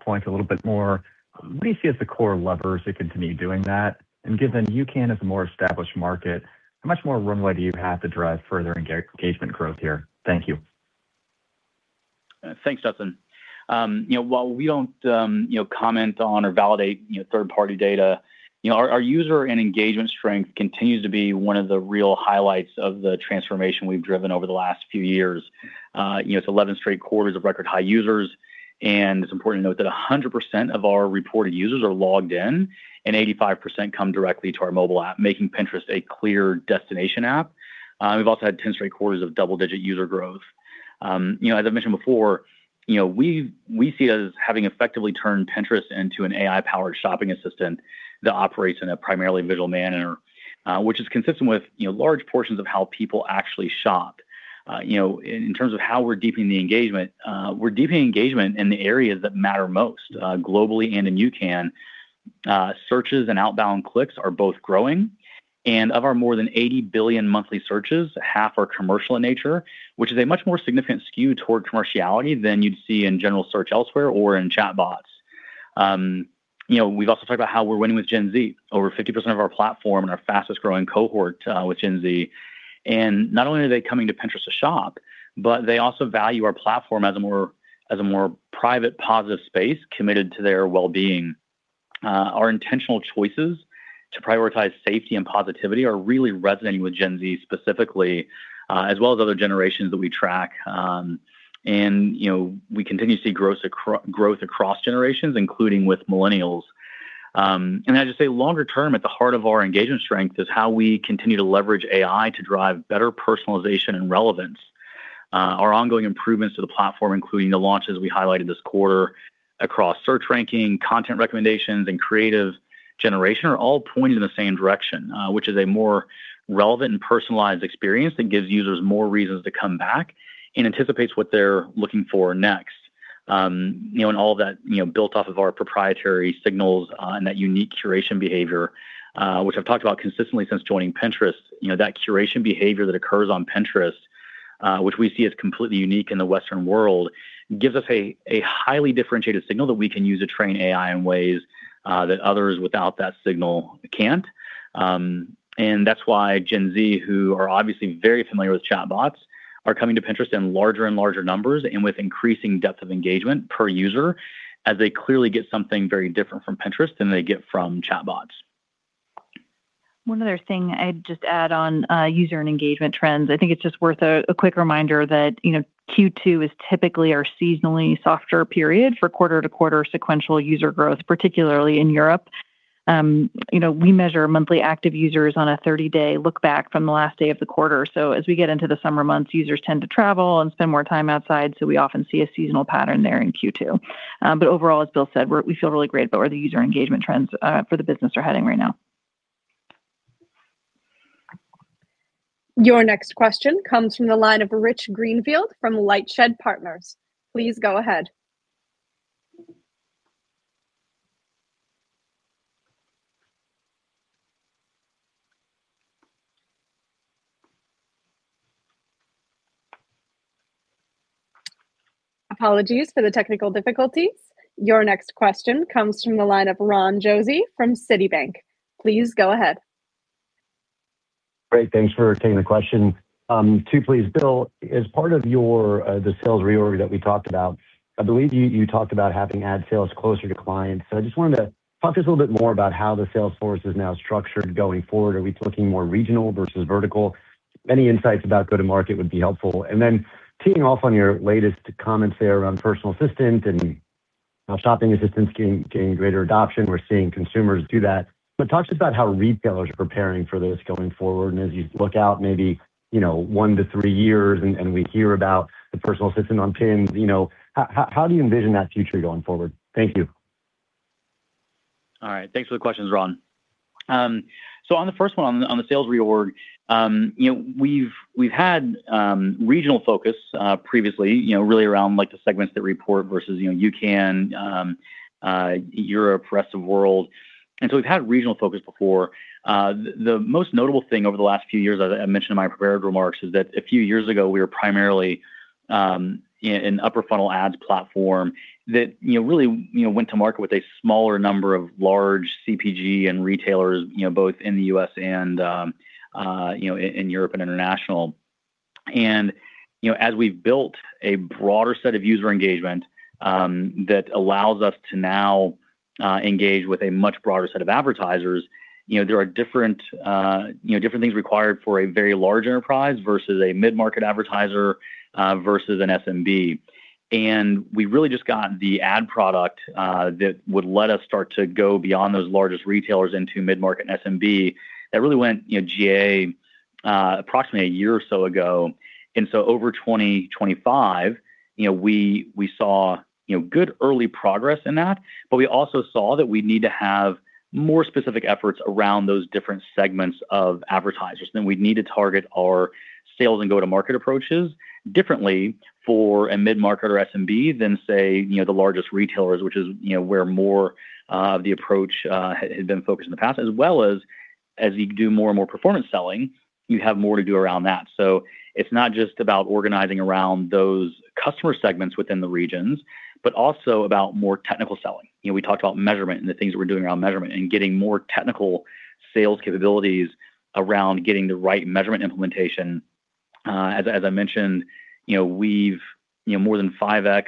point a little bit more. What do you see as the core levers to continue doing that? Given UCAN is a more established market, how much more runway do you have to drive further engagement growth here? Thank you. Thanks, Justin. You know, while we don't, you know, comment on or validate, you know, third-party data, you know, our user and engagement strength continues to be one of the real highlights of the transformation we've driven over the last few years. You know, it's 11 straight quarters of record high users, and it's important to note that 100% of our reported users are logged in, and 85% come directly to our mobile app, making Pinterest a clear destination app. We've also had 10 straight quarters of double-digit user growth. You know, as I mentioned before, you know, we see it as having effectively turned Pinterest into an AI-powered shopping assistant that operates in a primarily visual manner, which is consistent with, you know, large portions of how people actually shop. You know, in terms of how we're deepening the engagement, we're deepening engagement in the areas that matter most, globally and in UCAN. Searches and outbound clicks are both growing. Of our more than 80 billion monthly searches, half are commercial in nature, which is a much more significant skew toward commerciality than you'd see in general search elsewhere or in chatbots. You know, we've also talked about how we're winning with Gen Z. Over 50% of our platform and our fastest-growing cohort with Gen Z, not only are they coming to Pinterest to shop, but they also value our platform as a more private, positive space committed to their well-being. Our intentional choices to prioritize safety and positivity are really resonating with Gen Z specifically, as well as other generations that we track. You know, we continue to see gross growth across generations, including with millennials. I'd just say longer term, at the heart of our engagement strength is how we continue to leverage AI to drive better personalization and relevance. Our ongoing improvements to the platform, including the launches we highlighted this quarter across search ranking, content recommendations, and creative generation, are all pointing in the same direction, which is a more relevant and personalized experience that gives users more reasons to come back and anticipates what they're looking for next. You know, all of that, you know, built off of our proprietary signals, and that unique curation behavior, which I've talked about consistently since joining Pinterest. You know, that curation behavior that occurs on Pinterest, which we see as completely unique in the Western world, gives us a highly differentiated signal that we can use to train AI in ways that others without that signal can't. That's why Gen Z, who are obviously very familiar with chatbots, are coming to Pinterest in larger and larger numbers and with increasing depth of engagement per user, as they clearly get something very different from Pinterest than they get from chatbots. One other thing I'd just add on, user and engagement trends. I think it's just worth a quick reminder that, you know, Q2 is typically our seasonally softer period for quarter-to-quarter sequential user growth, particularly in Europe. You know, we measure monthly active users on a 30-day look back from the last day of the quarter. As we get into the summer months, users tend to travel and spend more time outside, so we often see a seasonal pattern there in Q2. Overall, as Bill said, we feel really great about where the user engagement trends for the business are heading right now. Your next question comes from the line of Rich Greenfield from LightShed Partners. Please go ahead. Apologies for the technical difficulties. Your next question comes from the line of Ron Josey from Citibank. Please go ahead. Great. Thanks for taking the question. Two please. Bill, as part of your the sales reorg that we talked about, I believe you talked about having ad sales closer to clients. I just wanted to talk just a little bit more about how the sales force is now structured going forward. Are we looking more regional versus vertical? Any insights about go-to-market would be helpful. Teeing off on your latest comments there around Pinterest Assistant and how shopping assistants gaining greater adoption. We're seeing consumers do that. Talk to us about how retailers are preparing for this going forward, and as you look out maybe one to three years and we hear about the Pinterest Assistant on Pins, how do you envision that future going forward? Thank you. All right. Thanks for the questions, Ron. On the first one, on the sales reorg, you know, we've had regional focus previously, you know, really around like the segments that report versus, you know, UCAN, Europe, rest of world. We've had regional focus before. The most notable thing over the last few years, as I mentioned in my prepared remarks, is that a few years ago, we were primarily an upper funnel ads platform that, you know, really, you know, went to market with a smaller number of large CPG and retailers, you know, both in the U.S. and, you know, in Europe and international. You know, as we've built a broader set of user engagement, that allows us to now, engage with a much broader set of advertisers, you know, there are different, you know, different things required for a very large enterprise versus a mid-market advertiser, versus an SMB. We really just got the ad product, that would let us start to go beyond those largest retailers into mid-market and SMB that really went, you know, GA, approximately one year or so ago. Over 2025, you know, we saw, you know, good early progress in that, but we also saw that we need to have more specific efforts around those different segments of advertisers, and we'd need to target our sales and go-to-market approaches differently for a mid-market or SMB than say, you know, the largest retailers, which is, you know, where more of the approach had been focused in the past, as well as you do more and more performance selling, you have more to do around that. It's not just about organizing around those customer segments within the regions, but also about more technical selling. You know, we talked about measurement and the things that we're doing around measurement and getting more technical sales capabilities around getting the right measurement implementation. As, as I mentioned, you know, we've, you know, more than 5x,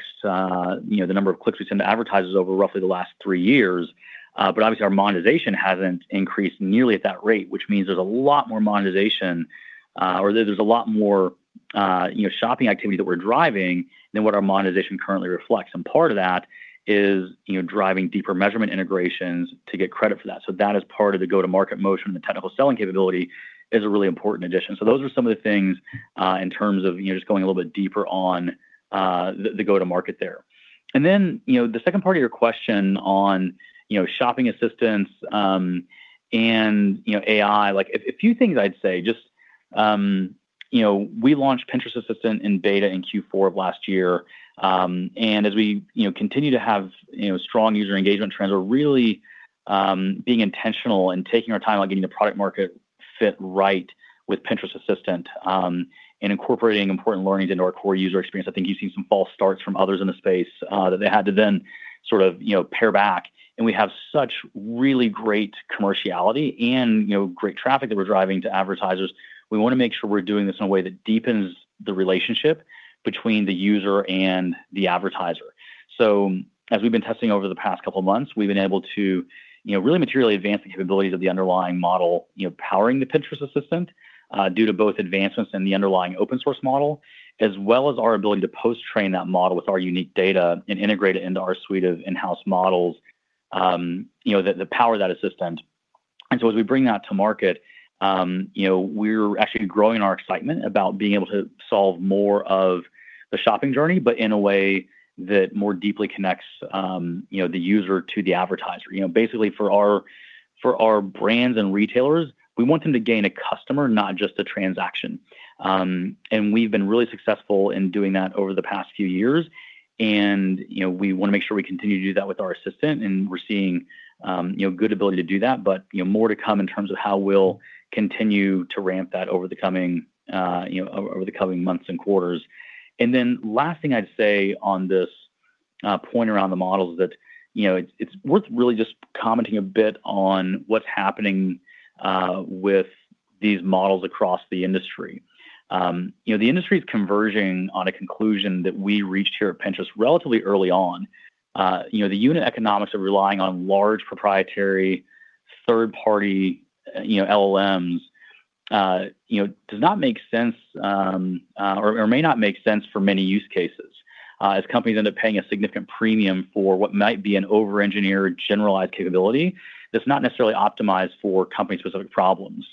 you know, the number of clicks we send to advertisers over roughly the last three years. Obviously, our monetization hasn't increased nearly at that rate, which means there's a lot more monetization, or there's a lot more, you know, shopping activity that we're driving than what our monetization currently reflects. Part of that is, you know, driving deeper measurement integrations to get credit for that. That is part of the go-to-market motion. The technical selling capability is a really important addition. Those are some of the things, in terms of, you know, just going a little bit deeper on the go-to-market there. Then, you know, the second part of your question on, you know, shopping assistance, and, you know, AI, like a few things I'd say, just, you know, we launched Pinterest Assistant in beta in Q4 of last year. As we, you know, continue to have, you know, strong user engagement trends, we're really being intentional and taking our time on getting the product market fit right with Pinterest Assistant and incorporating important learnings into our core user experience. I think you've seen some false starts from others in the space that they had to then sort of, you know, pare back. We have such really great commerciality and, you know, great traffic that we're driving to advertisers. We wanna make sure we're doing this in a way that deepens the relationship between the user and the advertiser. As we've been testing over the past couple of months, we've been able to, you know, really materially advance the capabilities of the underlying model, you know, powering the Pinterest Assistant, due to both advancements in the underlying open source model, as well as our ability to post-train that model with our unique data and integrate it into our suite of in-house models, you know, that power that assistant. As we bring that to market, you know, we're actually growing our excitement about being able to solve more of the shopping journey, but in a way that more deeply connects, you know, the user to the advertiser. You know, basically for our, for our brands and retailers, we want them to gain a customer, not just a transaction. We've been really successful in doing that over the past few years. You know, we want to make sure we continue to do that with our Pinterest Assistant, and we're seeing, you know, good ability to do that. You know, more to come in terms of how we'll continue to ramp that over the coming, you know, over the coming months and quarters. Last thing I'd say on this point around the models is that, you know, it's worth really just commenting a bit on what's happening with these models across the industry. You know, the industry is converging on a conclusion that we reached here at Pinterest relatively early on. You know, the unit economics of relying on large proprietary third-party, you know, LLMs, you know, does not make sense, or may not make sense for many use cases, as companies end up paying a significant premium for what might be an over-engineered generalized capability that's not necessarily optimized for company-specific problems.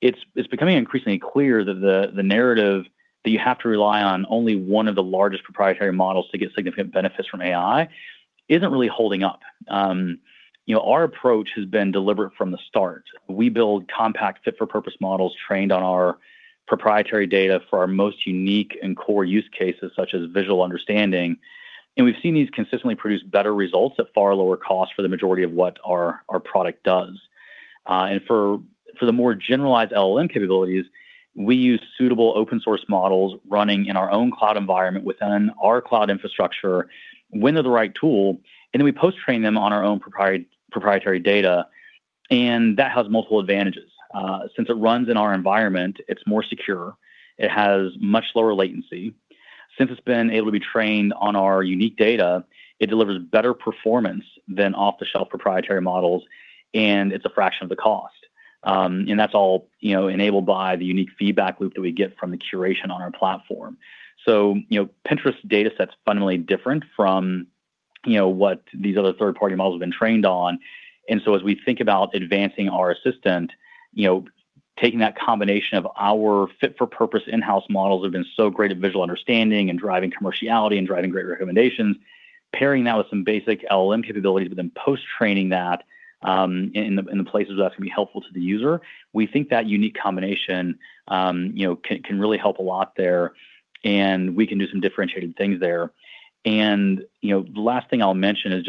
It's becoming increasingly clear that the narrative that you have to rely on only one of the largest proprietary models to get significant benefits from AI isn't really holding up. you know, our approach has been deliberate from the start. We build compact fit-for-purpose models trained on our proprietary data for our most unique and core use cases, such as visual understanding. We've seen these consistently produce better results at far lower cost for the majority of what our product does. For the more generalized LLM capabilities, we use suitable open source models running in our own cloud environment within our cloud infrastructure when they're the right tool, and then we post-train them on our own proprietary data, and that has multiple advantages. Since it runs in our environment, it's more secure. It has much lower latency. Since it's been able to be trained on our unique data, it delivers better performance than off-the-shelf proprietary models, and it's a fraction of the cost. That's all, you know, enabled by the unique feedback loop that we get from the curation on our platform. You know, Pinterest data set's fundamentally different from, you know, what these other third-party models have been trained on. As we think about advancing our Pinterest Assistant, you know, taking that combination of our fit-for-purpose in-house models that have been so great at visual understanding and driving commerciality and driving great recommendations, pairing that with some basic LLM capabilities, but then post-training that in the places that's gonna be helpful to the user, we think that unique combination, you know, can really help a lot there, and we can do some differentiating things there. You know, the last thing I'll mention is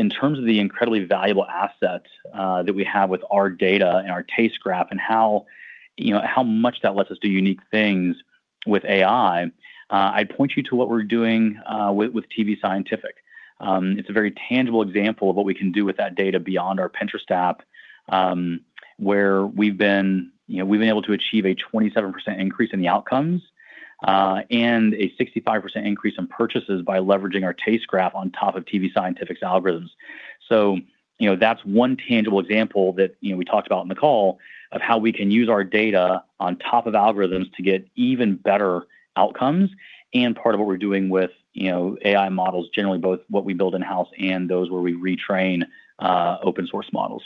In terms of the incredibly valuable assets that we have with our data and our Taste Graph and how, you know, how much that lets us do unique things with AI, I'd point you to what we're doing with tvScientific. It's a very tangible example of what we can do with that data beyond our Pinterest app, where we've been, you know, we've been able to achieve a 27% increase in the outcomes, and a 65% increase in purchases by leveraging our Taste Graph on top of tvScientific's algorithms. You know, that's one tangible example that, you know, we talked about in the call of how we can use our data on top of algorithms to get even better outcomes and part of what we're doing with, you know, AI models generally, both what we build in-house and those where we retrain open source models.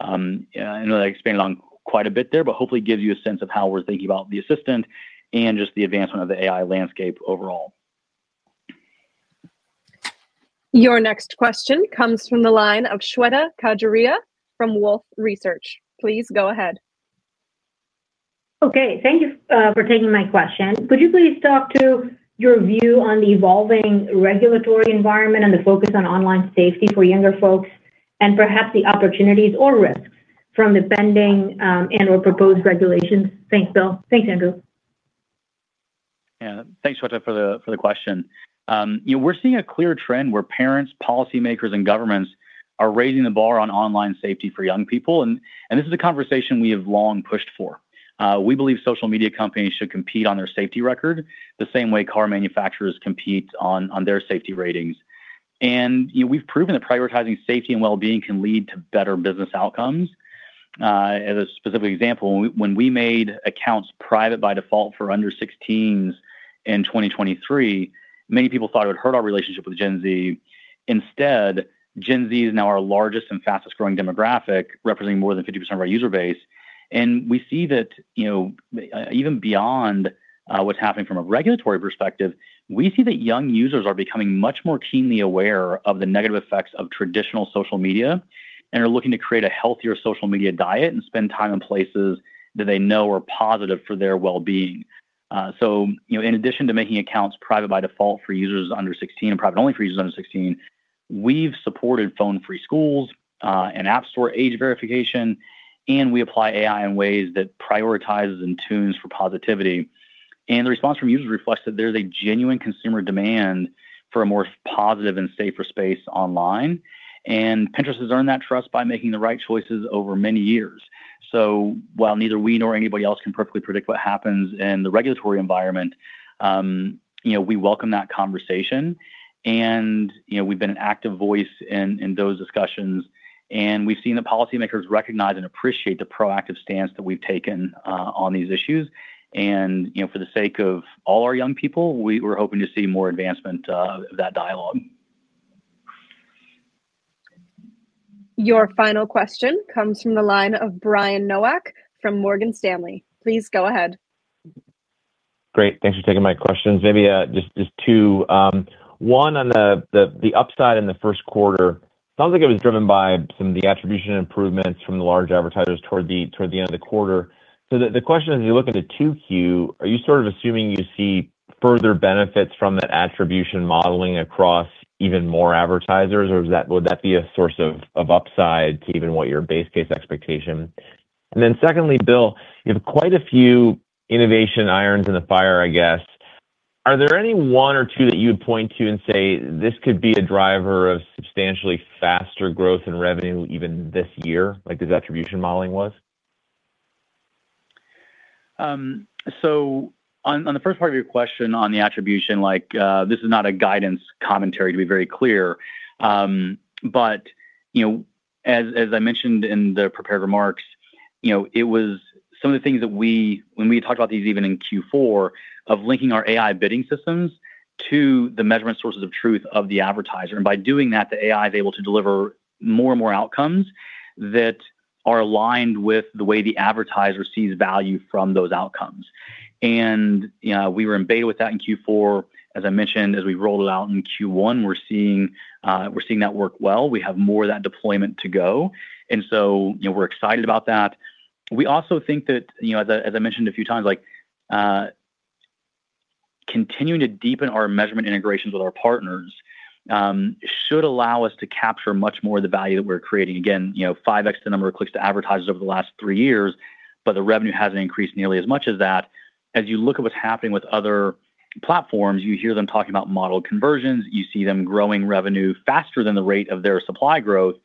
I know that I expanded on quite a bit there, but hopefully gives you a sense of how we're thinking about the assistant and just the advancement of the AI landscape overall. Your next question comes from the line of Shweta Khajuria from Wolfe Research. Please go ahead. Thank you for taking my question. Could you please talk to your view on the evolving regulatory environment and the focus on online safety for younger folks, and perhaps the opportunities or risks from the pending and/or proposed regulations? Thanks, Bill. Thanks, Andrew. Thanks, Shweta, for the question. You know, we're seeing a clear trend where parents, policymakers, and governments are raising the bar on online safety for young people, and this is a conversation we have long pushed for. We believe social media companies should compete on their safety record the same way car manufacturers compete on their safety ratings. You know, we've proven that prioritizing safety and wellbeing can lead to better business outcomes. As a specific example, when we made accounts private by default for under 16s in 2023, many people thought it would hurt our relationship with Gen Z. Instead, Gen Z is now our largest and fastest growing demographic, representing more than 50% of our user base. We see that, you know, even beyond, what's happening from a regulatory perspective, we see that young users are becoming much more keenly aware of the negative effects of traditional social media and are looking to create a healthier social media diet and spend time in places that they know are positive for their wellbeing. So, you know, in addition to making accounts private by default for users under 16 and private only for users under 16, we've supported phone-free schools, and app store age verification, and we apply AI in ways that prioritizes and tunes for positivity. The response from users reflects that there's a genuine consumer demand for a more positive and safer space online, and Pinterest has earned that trust by making the right choices over many years. While neither we nor anybody else can perfectly predict what happens in the regulatory environment, you know, we welcome that conversation and, you know, we've been an active voice in those discussions, and we've seen the policymakers recognize and appreciate the proactive stance that we've taken on these issues. You know, for the sake of all our young people, we're hoping to see more advancement of that dialogue. Your final question comes from the line of Brian Nowak from Morgan Stanley. Please go ahead. Great. Thanks for taking my questions. Maybe, just two. One on the upside in the first quarter. Sounds like it was driven by some of the attribution improvements from the large advertisers toward the end of the quarter. The question is, you look at the 2Q, are you sort of assuming you see further benefits from that attribution modeling across even more advertisers, or is that, would that be a source of upside to even what your base case expectation? Secondly, Bill, you have quite a few innovation irons in the fire, I guess. Are there any one or two that you would point to and say, "This could be a driver of substantially faster growth in revenue even this year," like this attribution modeling was? On the first part of your question on the attribution, like, this is not a guidance commentary to be very clear. You know, as I mentioned in the prepared remarks, you know, it was some of the things that we when we talked about these even in Q4 of linking our AI bidding systems to the measurement sources of truth of the advertiser, and by doing that, the AI is able to deliver more and more outcomes that are aligned with the way the advertiser sees value from those outcomes. You know, we were in beta with that in Q4. As I mentioned, as we rolled it out in Q1, we're seeing that work well. We have more of that deployment to go. You know, we're excited about that. We also think that, you know, as I mentioned a few times, like, continuing to deepen our measurement integrations with our partners should allow us to capture much more of the value that we're creating. Again, you know, 5x the number of clicks to advertisers over the last three years, but the revenue hasn't increased nearly as much as that. As you look at what's happening with other platforms, you hear them talking about model conversions, you see them growing revenue faster than the rate of their supply growth,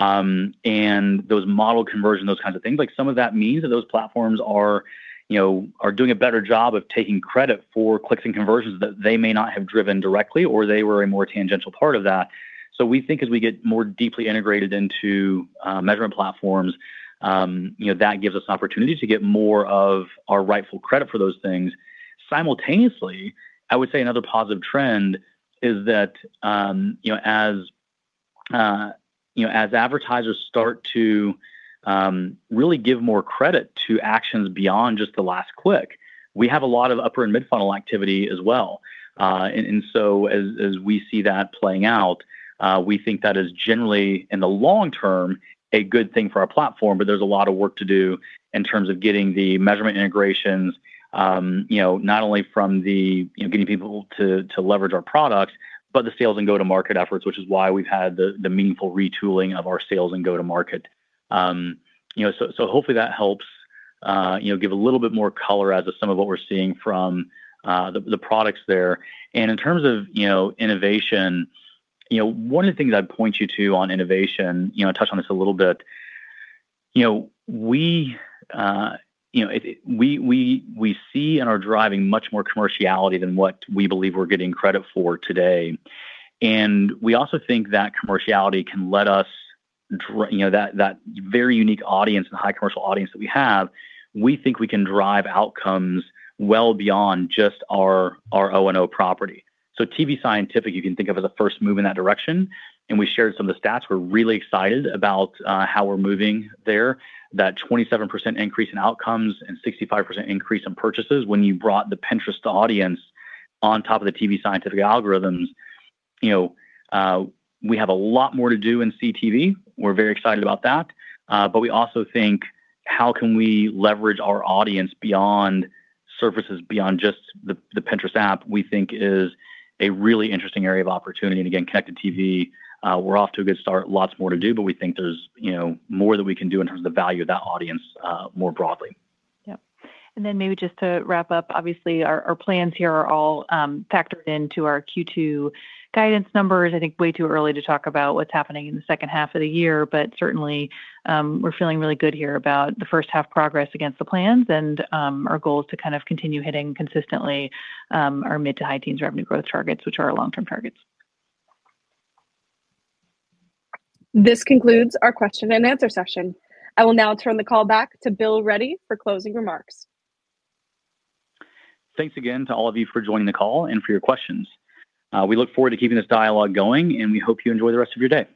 and those model conversions, those kinds of things. Like, some of that means that those platforms are, you know, are doing a better job of taking credit for clicks and conversions that they may not have driven directly or they were a more tangential part of that. We think as we get more deeply integrated into measurement platforms, you know, that gives us an opportunity to get more of our rightful credit for those things. Simultaneously, I would say another positive trend is that, you know, as, you know, as advertisers start to really give more credit to actions beyond just the last click, we have a lot of upper and mid-funnel activity as well. As we see that playing out, we think that is generally, in the long term, a good thing for our platform, but there's a lot of work to do in terms of getting the measurement integrations, you know, not only from the, you know, getting people to leverage our product, but the sales and go-to-market efforts, which is why we've had the meaningful retooling of our sales and go-to-market. Hopefully that helps, you know, give a little bit more color as to some of what we're seeing from the products there. In terms of, you know, innovation, you know, one of the things I'd point you to on innovation, you know, touch on this a little bit, you know, we see and are driving much more commerciality than what we believe we're getting credit for today. We also think that commerciality can let us, you know, that very unique audience and high commercial audience that we have, we think we can drive outcomes well beyond just our O&O property. tvScientific, you can think of as a first move in that direction, and we shared some of the stats. We're really excited about how we're moving there, that 27% increase in outcomes and 65% increase in purchases when you brought the Pinterest audience on top of the tvScientific algorithms. You know, we have a lot more to do in CTV. We're very excited about that. But we also think how can we leverage our audience beyond surfaces, beyond just the Pinterest app, we think is a really interesting area of opportunity. Again, connected TV, we're off to a good start. Lots more to do, but we think there's, you know, more that we can do in terms of the value of that audience, more broadly. Yep. Maybe just to wrap up, obviously our plans here are all factored into our Q2 guidance numbers. I think way too early to talk about what's happening in the second half of the year, but certainly, we're feeling really good here about the first half progress against the plans, and our goal is to kind of continue hitting consistently our mid-to-high teens revenue growth targets, which are our long-term targets. This concludes our question and answer session. I will now turn the call back to Bill Ready for closing remarks. Thanks again to all of you for joining the call and for your questions. We look forward to keeping this dialogue going, and we hope you enjoy the rest of your day.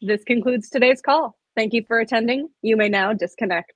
This concludes today's call. Thank you for attending. You may now disconnect.